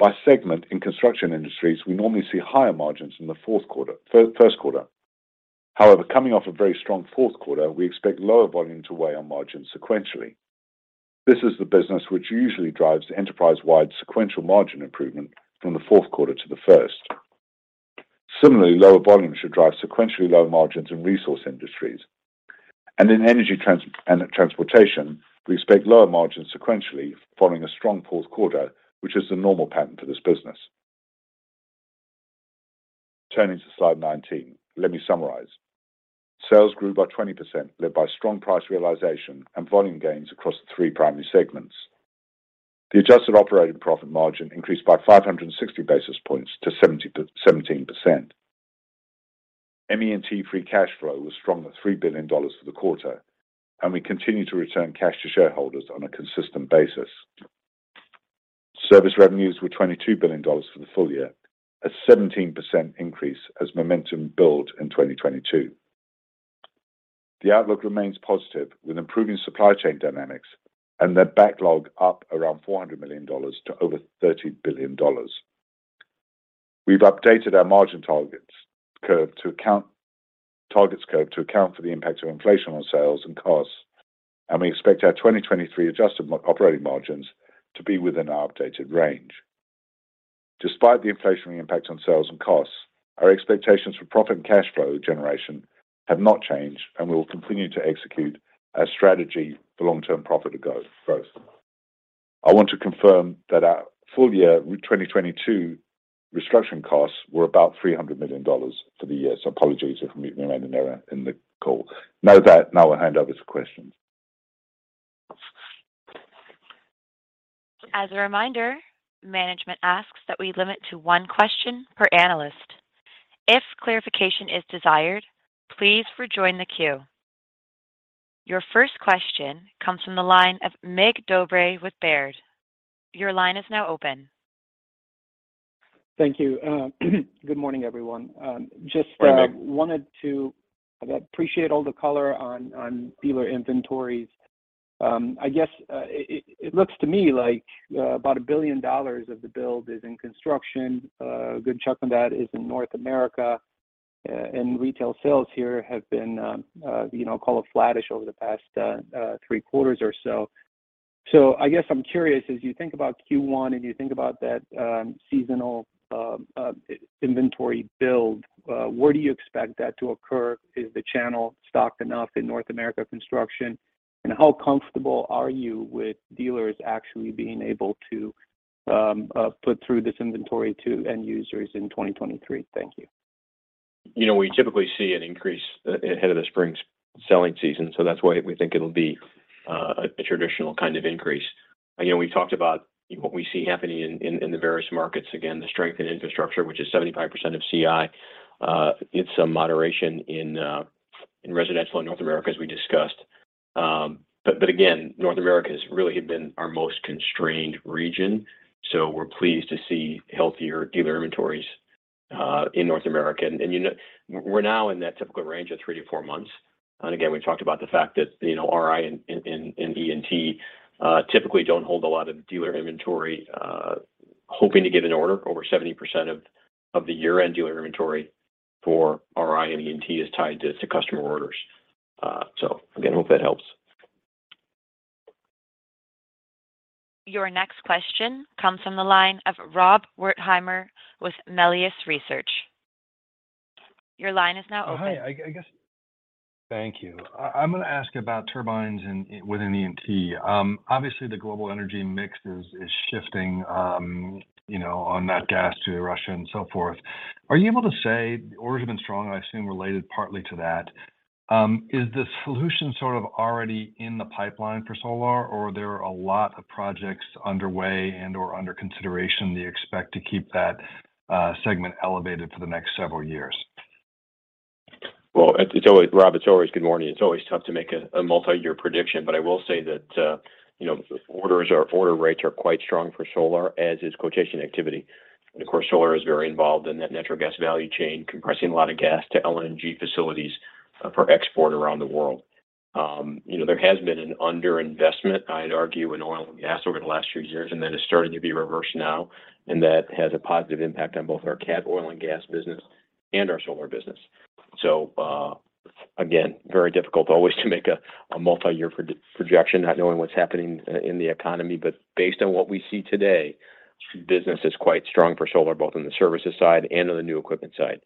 By segment, in Construction Industries, we normally see higher margins in the fourth quarter, first quarter. However, coming off a very strong fourth quarter, we expect lower volume to weigh on margins sequentially. This is the business which usually drives the enterprise-wide sequential margin improvement from the fourth quarter to the first. Similarly, lower volume should drive sequentially lower margins in Resource Industries. In Energy and Transportation, we expect lower margins sequentially following a strong fourth quarter, which is the normal pattern for this business. Turning to slide 19, let me summarize. Sales grew by 20% led by strong price realization and volume gains across the three primary segments. The adjusted operating profit margin increased by 560 basis points to 17%. ME&T free cash flow was strong at $3 billion for the quarter, and we continue to return cash to shareholders on a consistent basis. Service revenues were $22 billion for the full year, a 17% increase as momentum built in 2022. The outlook remains positive with improving supply chain dynamics and their backlog up around $400 million to over $30 billion. We've updated our margin target scope to account for the impact of inflation on sales and costs. We expect our 2023 adjusted operating margins to be within our updated range. Despite the inflationary impact on sales and costs, our expectations for profit and cash flow generation have not changed, and we will continue to execute our strategy for long-term profit growth. I want to confirm that our full year 2022 restructuring costs were about $300 million for the year. Apologies if we made an error in the call. Now I'll hand over to questions. As a reminder, management asks that we limit to one question per analyst. If clarification is desired, please rejoin the queue. Your first question comes from the line of Mircea Dobre with Baird. Your line is now open. Thank you. Good morning, everyone. Hi, Mig. Wanted to appreciate all the color on dealer inventories. I guess it looks to me like about $1 billion of the build is in Construction. A good chunk of that is in North America. Retail sales here have been, you know, call it flattish over the past three quarters or so. I guess I'm curious, as you think about Q1 and you think about that seasonal inventory build, where do you expect that to occur? Is the channel stocked enough in North America Construction? How comfortable are you with dealers actually being able to put through this inventory to end users in 2023? Thank you. You know, we typically see an increase ahead of the spring selling season, so that's why we think it'll be a traditional kind of increase. You know, we talked about what we see happening in the various markets. Again, the strength in infrastructure, which is 75% of CI, it's a moderation in residential in North America, as we discussed. But again, North America has really had been our most constrained region, so we're pleased to see healthier dealer inventories in North America. You know, we're now in that typical range of 3 to 4 months. Again, we talked about the fact that, you know, RI and E&T typically don't hold a lot of dealer inventory. Hoping to get an order over 70% of the year-end dealer inventory for RI and E&T is tied to customer orders. Again, hope that helps. Your next question comes from the line of Rob Wertheimer with Melius Research. Your line is now open. Oh, hi. Thank you. I'm gonna ask about turbines in, within E&T. Obviously the global energy mix is shifting, you know, on that gas to Russia and so forth. Are you able to say orders have been strong, I assume related partly to that? Is the solution sort of already in the pipeline for Solar, or there are a lot of projects underway and/or under consideration that you expect to keep that segment elevated for the next several years? Well, Rob, it's always good morning. It's always tough to make a multi-year prediction. I will say that, you know, order rates are quite strong for solar, as is quotation activity. Of course, solar is very involved in that natural gas value chain, compressing a lot of gas to LNG facilities for export around the world. You know, there has been an underinvestment, I'd argue, in oil and gas over the last few years, and that is starting to be reversed now. That has a positive impact on both our Cat Oil & Gas business and our solar business. Again, very difficult always to make a multi-year projection, not knowing what's happening in the economy. Based on what we see today, business is quite strong for Solar, both in the services side and on the new equipment side.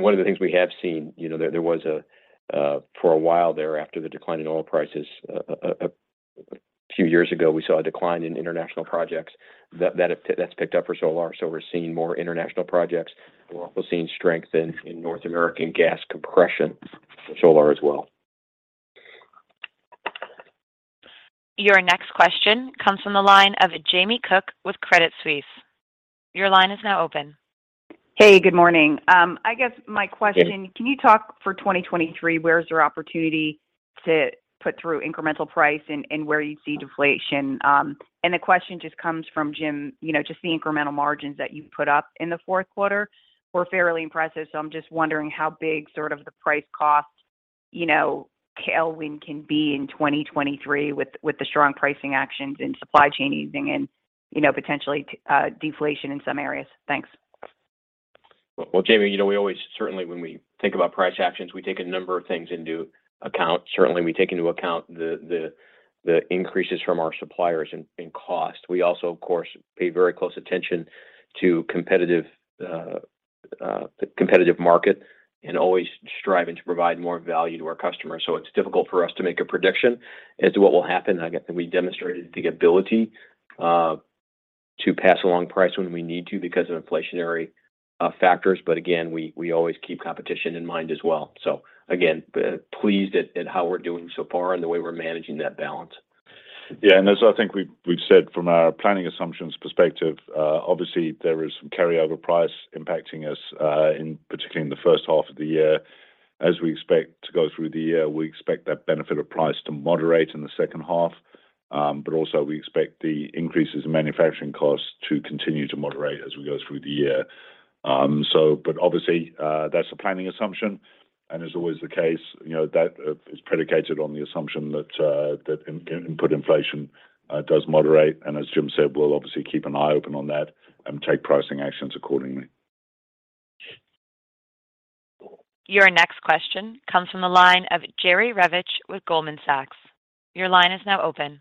One of the things we have seen, you know, for a while there, after the decline in oil prices, a few years ago, we saw a decline in international projects. That's picked up for Solar, so we're seeing more international projects. We're also seeing strength in North American gas compression Solar as well. Your next question comes from the line of Jamie Cook with Credit Suisse. Your line is now open. Hey, good morning. I guess my question... Yeah. Can you talk for 2023, where is your opportunity to put through incremental price and where you see deflation? The question just comes from, Jim, you know, just the incremental margins that you put up in the fourth quarter were fairly impressive. I'm just wondering how big sort of the price cost, you know, tailwind can be in 2023 with the strong pricing actions and supply chain easing and, you know, potentially, deflation in some areas. Thanks. Well, Jamie, you know, we always certainly when we think about price actions, we take a number of things into account. Certainly, we take into account the increases from our suppliers in cost. We also, of course, pay very close attention to competitive market and always striving to provide more value to our customers. It's difficult for us to make a prediction as to what will happen. I guess we demonstrated the ability to pass along price when we need to because of inflationary factors. Again, we always keep competition in mind as well. Again, pleased at how we're doing so far and the way we're managing that balance. As I think we've said from our planning assumptions perspective, obviously there is some carryover price impacting us, in particular in the first half of the year. As we expect to go through the year, we expect that benefit of price to moderate in the second half. Also, we expect the increases in manufacturing costs to continue to moderate as we go through the year. Obviously, that's a planning assumption, and as always the case, you know, that is predicated on the assumption that input inflation does moderate. As Jim said, we'll obviously keep an eye open on that and take pricing actions accordingly. Your next question comes from the line of Jerry Revich with Goldman Sachs. Your line is now open.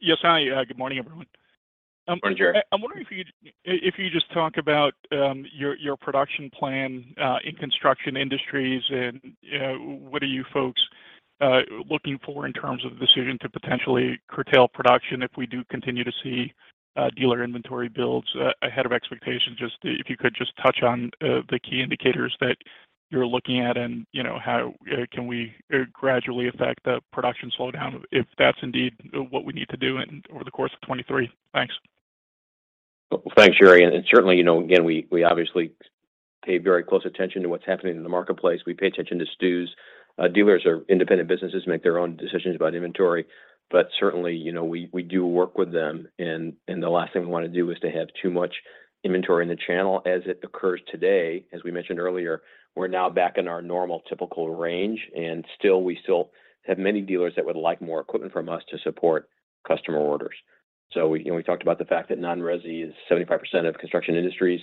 Yes. Hi. Good morning, everyone. Morning, Jerry. I'm wondering if you just talk about your production plan in Construction Industries and what are you folks looking for in terms of decision to potentially curtail production if we do continue to see dealer inventory builds ahead of expectations? Just if you could just touch on the key indicators that you're looking at and, you know, how can we gradually affect the production slowdown if that's indeed what we need to do over the course of 2023. Thanks. Thanks, Jerry. Certainly, you know, again, we obviously pay very close attention to what's happening in the marketplace. We pay attention to STUs. Dealers or independent businesses make their own decisions about inventory, but certainly, you know, we do work with them and the last thing we wanna do is to have too much inventory in the channel. As it occurs today, as we mentioned earlier, we're now back in our normal typical range, and we still have many dealers that would like more equipment from us to support customer orders. We, you know, talked about the fact that non-resi is 75% of Construction Industries,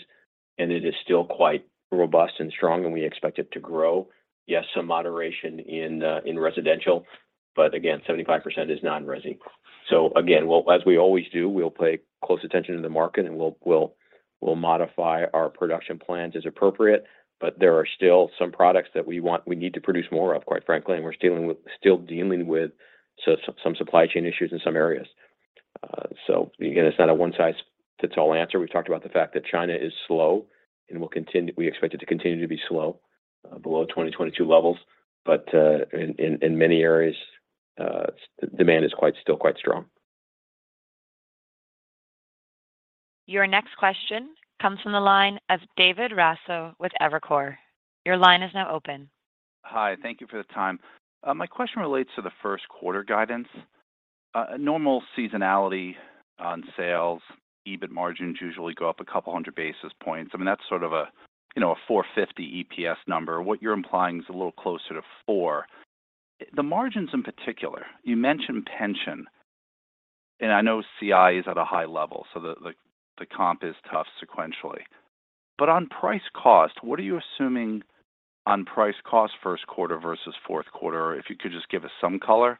and it is still quite robust and strong, and we expect it to grow. Yes, some moderation in residential, but again, 75% is non-resi. Again, as we always do, we'll pay close attention to the market, and we'll modify our production plans as appropriate. There are still some products that we need to produce more of, quite frankly, and we're still dealing with some supply chain issues in some areas. Again, it's not a one-size-fits-all answer. We've talked about the fact that China is slow and we expect it to continue to be slow, below 2022 levels. In many areas, demand is still quite strong. Your next question comes from the line of David Raso with Evercore. Your line is now open. Hi. Thank you for the time. My question relates to the first quarter guidance. Normal seasonality on sales, EBIT margins usually go up a couple hundred basis points. I mean, that's sort of a, you know, a $4.50 EPS number. What you're implying is a little closer to $4. The margins in particular, you mentioned pension, and I know CI is at a high level, so the comp is tough sequentially. On price cost, what are you assuming on price cost first quarter versus fourth quarter? If you could just give us some color.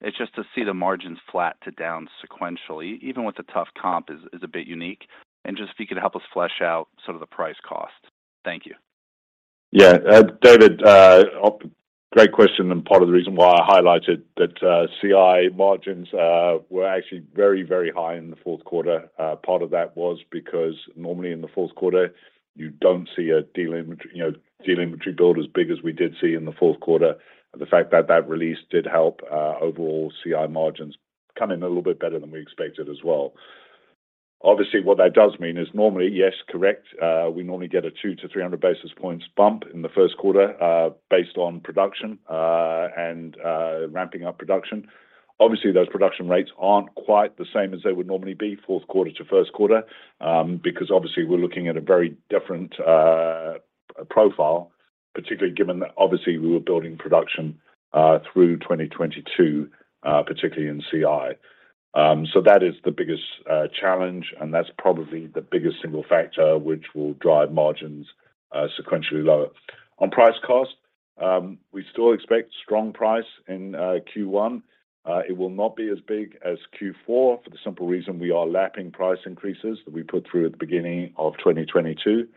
It's just to see the margins flat to down sequentially, even with the tough comp is a bit unique. Just if you could help us flesh out sort of the price cost. Thank you. Yeah. David, great question, part of the reason why I highlighted that CI margins were actually very, very high in the fourth quarter. Part of that was because normally in the fourth quarter, you don't see a deal, you know, deal inventory build as big as we did see in the fourth quarter. The fact that that release did help overall CI margins come in a little bit better than we expected as well. What that does mean is normally, yes, correct, we normally get a 200 to 300 basis points bump in the first quarter, based on production and ramping up production. Those production rates aren't quite the same as they would normally be 4th quarter to 1st quarter, because obviously we're looking at a very different profile, particularly given that obviously we were building production through 2022, particularly in CI. That is the biggest challenge, and that's probably the biggest single factor which will drive margins sequentially lower. We still expect strong price in Q1. It will not be as big as Q4 for the simple reason we are lapping price increases that we put through at the beginning of 2022.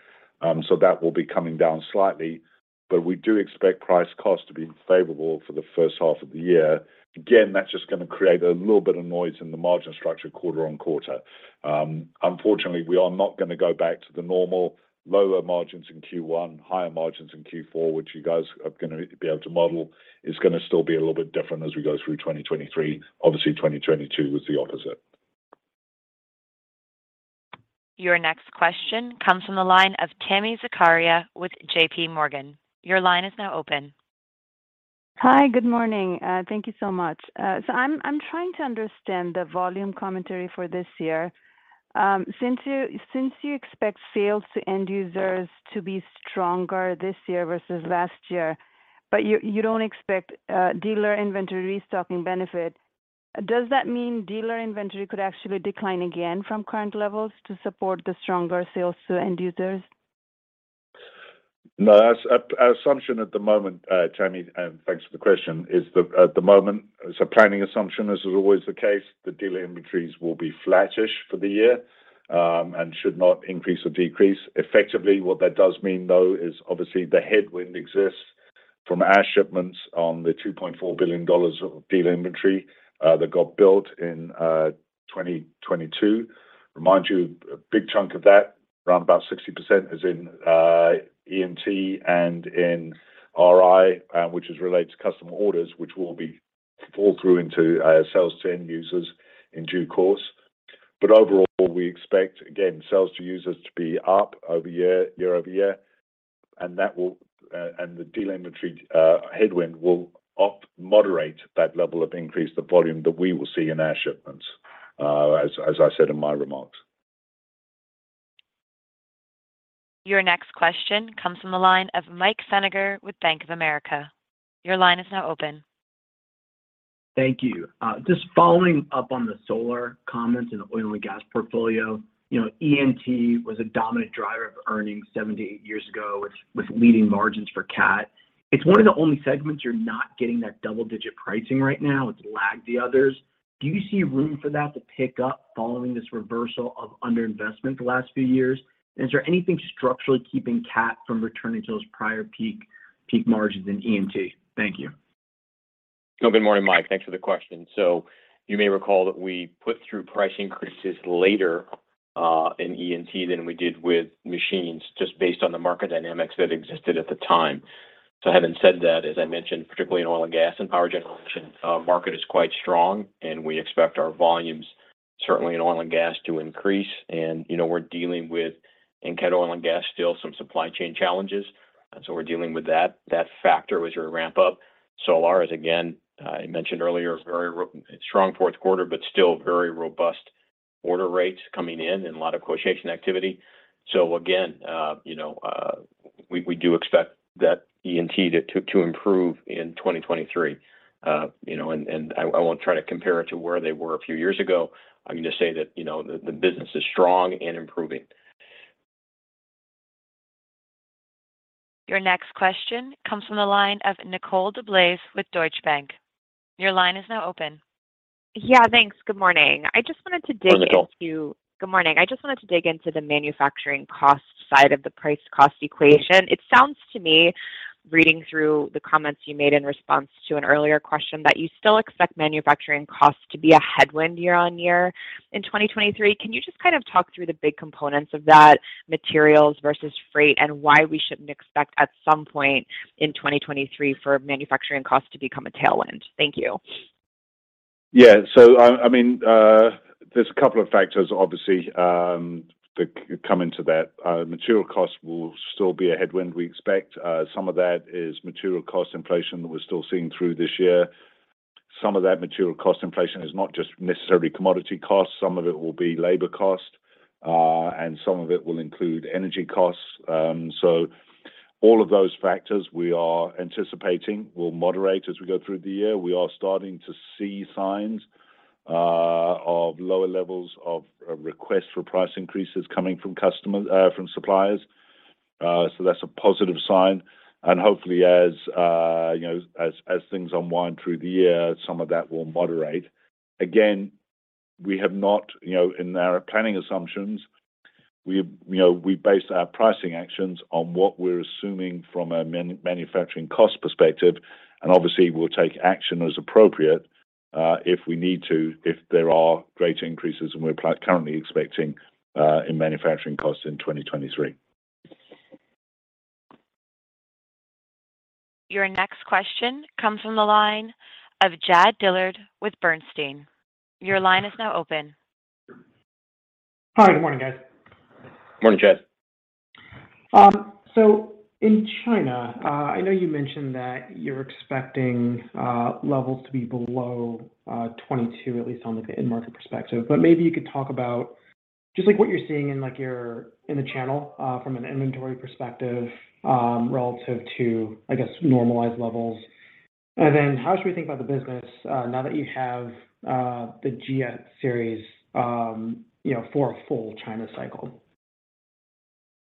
That will be coming down slightly, but we do expect price cost to be favorable for the 1st half of the year. That's just gonna create a little bit of noise in the margin structure quarter on quarter. Unfortunately, we are not gonna go back to the normal lower margins in Q1, higher margins in Q4, which you guys are gonna be able to model. It's gonna still be a little bit different as we go through 2023. Obviously, 2022 was the opposite. Your next question comes from the line of Tami Zakaria with JPMorgan. Your line is now open. Hi. Good morning. Thank you so much. I'm trying to understand the volume commentary for this year. Since you expect sales to end users to be stronger this year versus last year, but you don't expect dealer inventory restocking benefit, does that mean dealer inventory could actually decline again from current levels to support the stronger sales to end users? No. As a assumption at the moment, Tami, thanks for the question, is that at the moment, as a planning assumption, as is always the case, the dealer inventories will be flattish for the year, and should not increase or decrease. Effectively, what that does mean, though, is obviously the headwind exists from our shipments on the $2.4 billion of dealer inventory that got built in 2022. Remind you, a big chunk of that, around about 60% is in E&T and in RI, which is related to customer orders, which will be fall through into sales to end users in due course. Overall, we expect, again, sales to users to be up over year-over-year, and that will, and the dealer inventory, headwind will opt moderate that level of increase, the volume that we will see in our shipments, as I said in my remarks. Your next question comes from the line of Michael Feniger with Bank of America. Your line is now open. Thank you. Just following up on the solar comments and Oil & Gas portfolio. You know, E&T was a dominant driver of earnings 7 to 8 years ago with leading margins for Cat. It's one of the only segments you're not getting that double-digit pricing right now. It's lagged the others. Do you see room for that to pick up following this reversal of underinvestment the last few years? Is there anything structurally keeping Cat from returning to those prior peak margins in E&T? Thank you. Good morning, Mike. Thanks for the question. You may recall that we put through price increases later in E&T than we did with machines just based on the market dynamics that existed at the time. Having said that, as I mentioned, particularly in oil and gas and power generation, market is quite strong, and we expect our volumes certainly in oil and gas to increase. You know, we're dealing with in Cat Oil and Gas still some supply chain challenges. We're dealing with that. That factor was your ramp up. Solar is, again, I mentioned earlier, very strong fourth quarter, but still very robust order rates coming in and a lot of quotation activity. Again, you know, we do expect that E&T to improve in 2023. You know, and I won't try to compare it to where they were a few years ago. I'm gonna say that, you know, the business is strong and improving. Your next question comes from the line of Nicole DeBlase with Deutsche Bank. Your line is now open. Yeah, thanks. Good morning. I just wanted to dig into- Morning, Nicole. Good morning. I just wanted to dig into the manufacturing cost side of the price cost equation. It sounds to me, reading through the comments you made in response to an earlier question, that you still expect manufacturing costs to be a headwind year-over-year in 2023. Can you just kind of talk through the big components of that materials versus freight and why we shouldn't expect at some point in 2023 for manufacturing costs to become a tailwind? Thank you. Yeah. I mean, there's a couple of factors obviously, that come into that. Material costs will still be a headwind, we expect. Some of that is material cost inflation that we're still seeing through this year. Some of that material cost inflation is not just necessarily commodity costs. Some of it will be labor cost, and some of it will include energy costs. All of those factors we are anticipating will moderate as we go through the year. We are starting to see signs of lower levels of requests for price increases coming from suppliers. That's a positive sign. Hopefully as, you know, as things unwind through the year, some of that will moderate. Again, we have not, you know, in our planning assumptions, we, you know, we base our pricing actions on what we're assuming from a manufacturing cost perspective. Obviously, we'll take action as appropriate, if we need to, if there are greater increases than we're currently expecting, in manufacturing costs in 2023. Your next question comes from the line of Chad Dillard with Bernstein. Your line is now open. Hi. Good morning, guys. Morning, Chad. In China, I know you mentioned that you're expecting levels to be below 22 at least on the end market perspective. Maybe you could talk about just like what you're seeing in like in the channel, from an inventory perspective, relative to, I guess, normalized levels. Then how should we think about the business, now that you have the GX series, you know, for a full China cycle?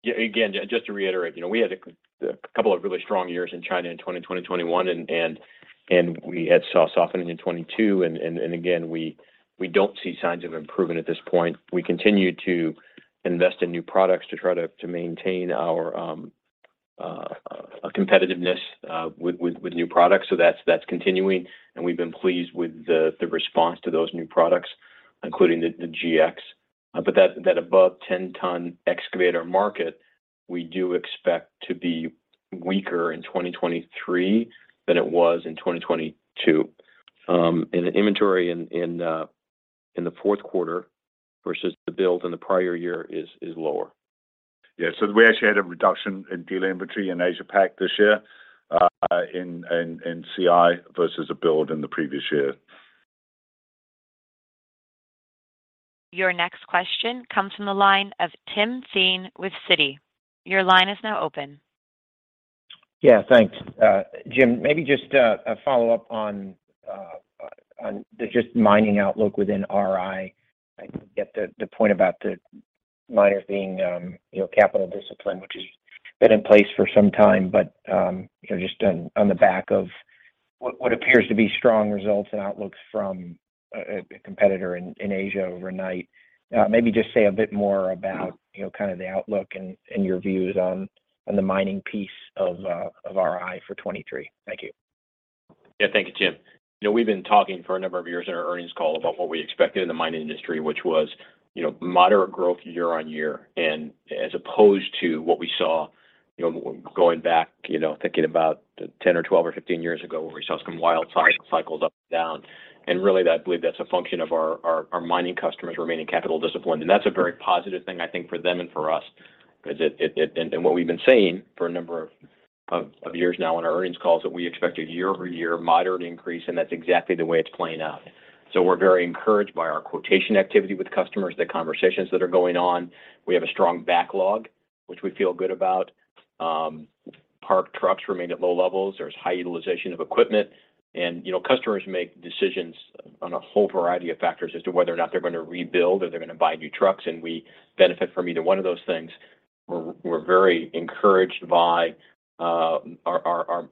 Yeah. Again, just to reiterate, you know, we had a couple of really strong years in China in 2020, 2021 and we had saw softening in 2022 and again, we don't see signs of improvement at this point. We continue to invest in new products to try to maintain our competitiveness with new products. That's continuing, and we've been pleased with the response to those new products, including the GX. That above 10 ton excavator market, we do expect to be weaker in 2023 than it was in 2022. The inventory in the fourth quarter versus the build in the prior year is lower. Yeah. We actually had a reduction in dealer inventory in Asia Pac this year, in CI versus the build in the previous year. Your next question comes from the line of Timothy Thein with Citi. Your line is now open. Yeah, thanks. Jim, maybe just a follow-up on the just mining outlook within RI. I get the point about the miners being, you know, capital discipline, which has been in place for some time. You know, just on the back of. What appears to be strong results and outlooks from a competitor in Asia overnight. Maybe just say a bit more about, you know, kind of the outlook and your views on the mining piece of RI for 2023. Thank you. Yeah. Thank you, Tim. You know, we've been talking for a number of years in our earnings call about what we expected in the mining industry, which was, you know, moderate growth year-over-year. As opposed to what we saw, you know, going back, you know, thinking about 10 or 12 or 15 years ago where we saw some wild cycles up and down. Really I believe that's a function of our mining customers remaining capital disciplined. That's a very positive thing, I think, for them and for us 'cause and what we've been saying for a number of years now on our earnings calls that we expect a year-over-year moderate increase, and that's exactly the way it's playing out. We're very encouraged by our quotation activity with customers, the conversations that are going on. We have a strong backlog, which we feel good about. Parked trucks remain at low levels. There's high utilization of equipment. You know, customers make decisions on a whole variety of factors as to whether or not they're gonna rebuild or they're gonna buy new trucks, and we benefit from either one of those things. We're very encouraged by our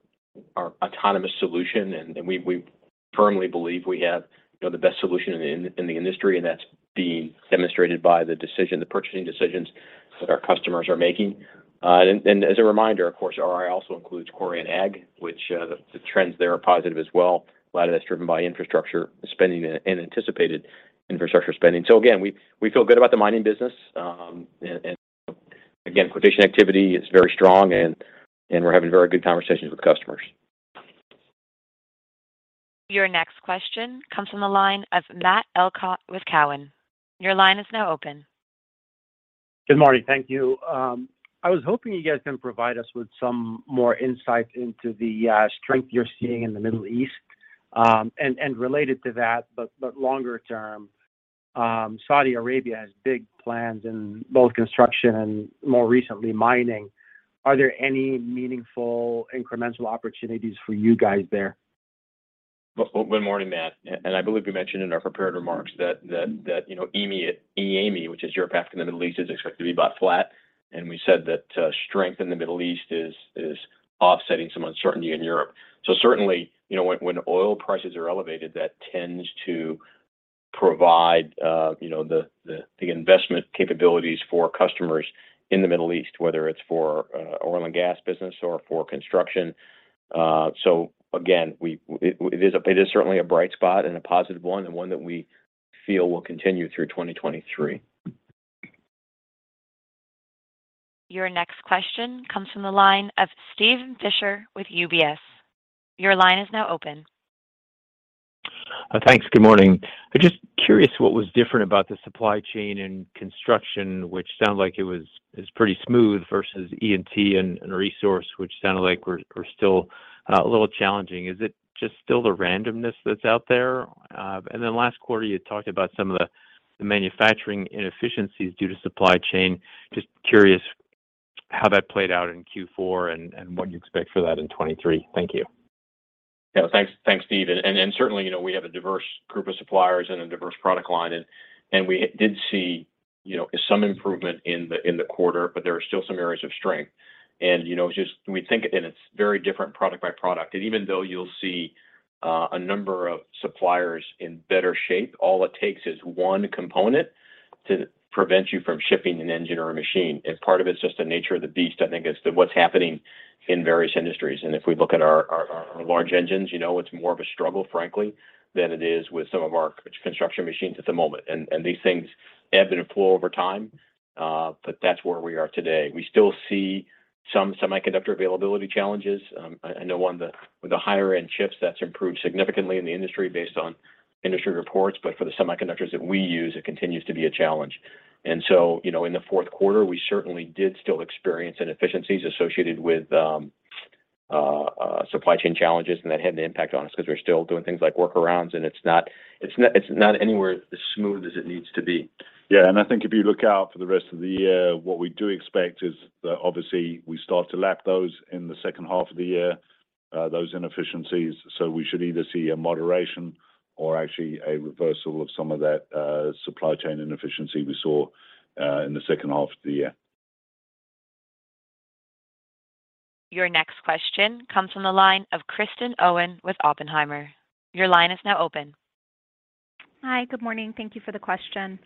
autonomous solution, and we firmly believe we have, you know, the best solution in the industry, and that's being demonstrated by the purchasing decisions that our customers are making. As a reminder, of course, RI also includes Quarry and Aggregates, which the trends there are positive as well. A lot of that's driven by infrastructure spending and anticipated infrastructure spending. Again, we feel good about the mining business. Again, quotation activity is very strong and we're having very good conversations with customers. Your next question comes from the line of Matt Elkott with Cowen. Your line is now open. Good morning. Thank you. I was hoping you guys can provide us with some more insight into the strength you're seeing in the Middle East. Related to that, but longer term, Saudi Arabia has big plans in both construction and more recently mining. Are there any meaningful incremental opportunities for you guys there? Well, good morning, Matt. I believe we mentioned in our prepared remarks that, you know, EAME, which is Europe, Africa, and the Middle East, is expected to be about flat. We said that strength in the Middle East is offsetting some uncertainty in Europe. Certainly, you know, when oil prices are elevated, that tends to provide, you know, the investment capabilities for customers in the Middle East, whether it's for oil and gas business or for construction. Again, it is certainly a bright spot and a positive one and one that we feel will continue through 2023. Your next question comes from the line of Steven Fisher with UBS. Your line is now open. Thanks. Good morning. I'm just curious what was different about the supply chain and construction, which sounded like it was, is pretty smooth versus E&T and Resource, which sounded like we're still a little challenging? Is it just still the randomness that's out there? Last quarter, you talked about some of the manufacturing inefficiencies due to supply chain. Just curious how that played out in Q4 and what you expect for that in 2023? Thank you. Yeah. Thanks. Thanks, Steve. Certainly, you know, we have a diverse group of suppliers and a diverse product line and we did see, you know, some improvement in the quarter, but there are still some areas of strength. You know, just we think and it's very different product by product. Even though you'll see a number of suppliers in better shape, all it takes is one component to prevent you from shipping an engine or a machine. Part of it is just the nature of the beast, I think it's what's happening in various industries. If we look at our large engines, you know, it's more of a struggle, frankly, than it is with some of our construction machines at the moment. These things ebb and flow over time, but that's where we are today. We still see some semiconductor availability challenges. I know on the higher end chips, that's improved significantly in the industry based on industry reports. For the semiconductors that we use, it continues to be a challenge. You know, in the fourth quarter, we certainly did still experience inefficiencies associated with supply chain challenges, and that had an impact on us 'cause we're still doing things like workarounds, and it's not anywhere as smooth as it needs to be. Yeah. I think if you look out for the rest of the year, what we do expect is that obviously we start to lap those in the second half of the year, those inefficiencies. We should either see a moderation or actually a reversal of some of that, supply chain inefficiency we saw, in the second half of the year. Your next question comes from the line of Kristen Owen with Oppenheimer. Your line is now open. Hi. Good morning. Thank you for the question.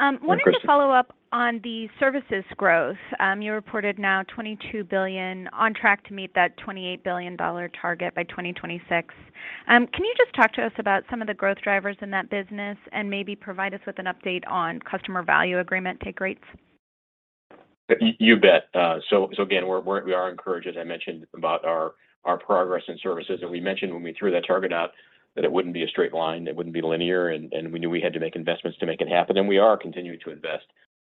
Hi, Kristen. Wanted to follow up on the services growth. You reported now $22 billion on track to meet that $28 billion target by 2026. Can you just talk to us about some of the growth drivers in that business and maybe provide us with an update on Customer Value Agreement take rates? You bet. Again, we are encouraged, as I mentioned, about our progress in services. We mentioned when we threw that target out that it wouldn't be a straight line, it wouldn't be linear, and we knew we had to make investments to make it happen. We are continuing to invest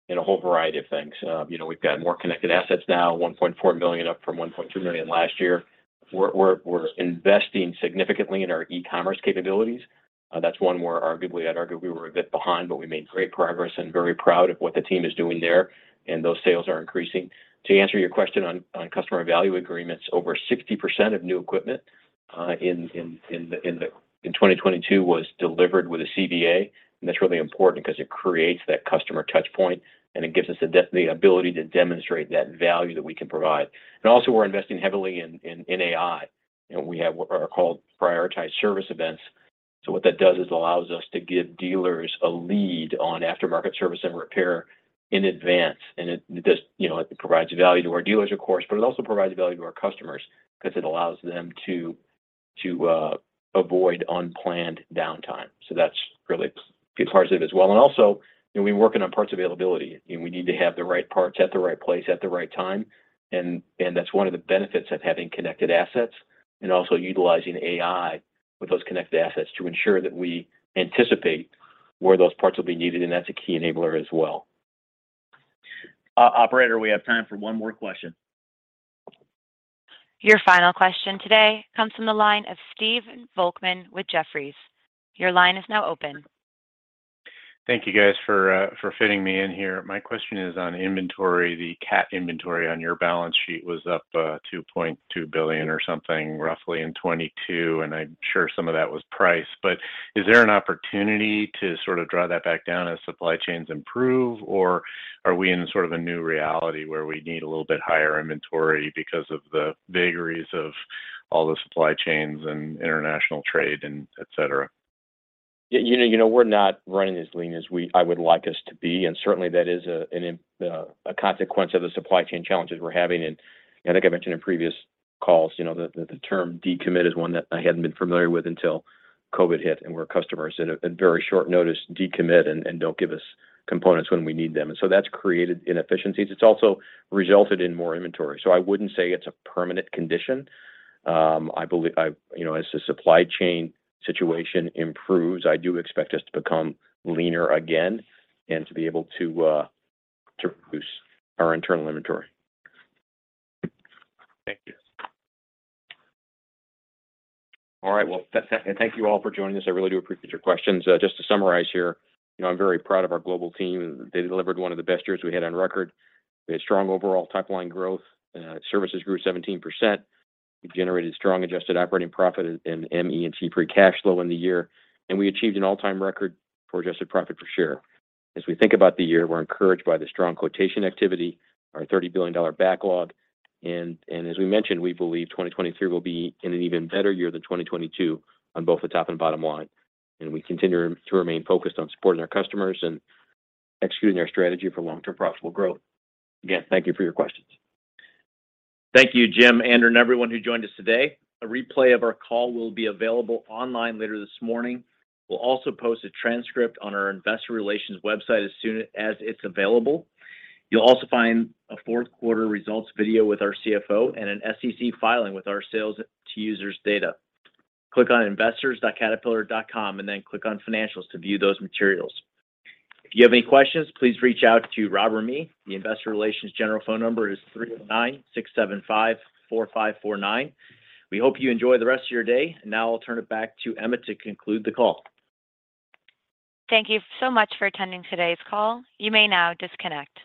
in a whole variety of things. You know, we've got more connected assets now, 1.4 million up from 1.2 million last year. We are investing significantly in our e-commerce capabilities. That's one where arguably I'd argue we were a bit behind, but we made great progress and very proud of what the team is doing there, those sales are increasing. To answer your question on Customer Value Agreements, over 60% of new equipment in 2022 was delivered with a CVA. That's really important 'cause it creates that customer touch point, and it gives us the ability to demonstrate that value that we can provide. Also we're investing heavily in AI. You know, we have what are called Prioritized Service Events. What that does is allows us to give dealers a lead on aftermarket service and repair in advance. It does, you know, it provides value to our dealers, of course, but it also provides value to our customers because it allows them to avoid unplanned downtime. That's really be a part of it as well. Also, you know, we're working on parts availability, and we need to have the right parts at the right place at the right time. That's one of the benefits of having connected assets and also utilizing AI with those connected assets to ensure that we anticipate where those parts will be needed, and that's a key enabler as well. Operator, we have time for one more question. Your final question today comes from the line of Stephen Volkmann with Jefferies. Your line is now open. Thank you guys for fitting me in here. My question is on inventory. The Cat inventory on your balance sheet was up $2.2 billion or something roughly in 2022, and I'm sure some of that was price. Is there an opportunity to sort of draw that back down as supply chains improve, or are we in sort of a new reality where we need a little bit higher inventory because of the vagaries of all the supply chains and international trade and etcetera? Yeah, you know, we're not running as lean as I would like us to be, certainly that is a consequence of the supply chain challenges we're having. I think I mentioned in previous calls, you know, the term decommit is one that I hadn't been familiar with until COVID hit and where customers at a very short notice decommit and don't give us components when we need them. That's created inefficiencies. It's also resulted in more inventory. I wouldn't say it's a permanent condition. I believe you know, as the supply chain situation improves, I do expect us to become leaner again and to be able to reduce our internal inventory. Thank you. All right. Well, that's it. Thank you all for joining us. I really do appreciate your questions. Just to summarize here. You know, I'm very proud of our global team. They delivered one of the best years we had on record. We had strong overall top line growth. Services grew 17%. We generated strong adjusted operating profit in ME&T free cash flow in the year, and we achieved an all-time record for adjusted profit per share. As we think about the year, we're encouraged by the strong quotation activity, our $30 billion backlog, and as we mentioned, we believe 2023 will be an even better year than 2022 on both the top and bottom line. We continue to remain focused on supporting our customers and executing our strategy for long-term profitable growth. Again, thank you for your questions. Thank you, Jim, Andrew, and everyone who joined us today. A replay of our call will be available online later this morning. We'll also post a transcript on our investor relations website as soon as it's available. You'll also find a fourth quarter results video with our CFO and an SEC filing with our sales to users data. Click on investors.caterpillar.com and then click on Financials to view those materials. If you have any questions, please reach out to Rob or me. The investor relations general phone number is 309-675-4549. We hope you enjoy the rest of your day. I'll turn it back to Emma to conclude the call. Thank you so much for attending today's call. You may now disconnect.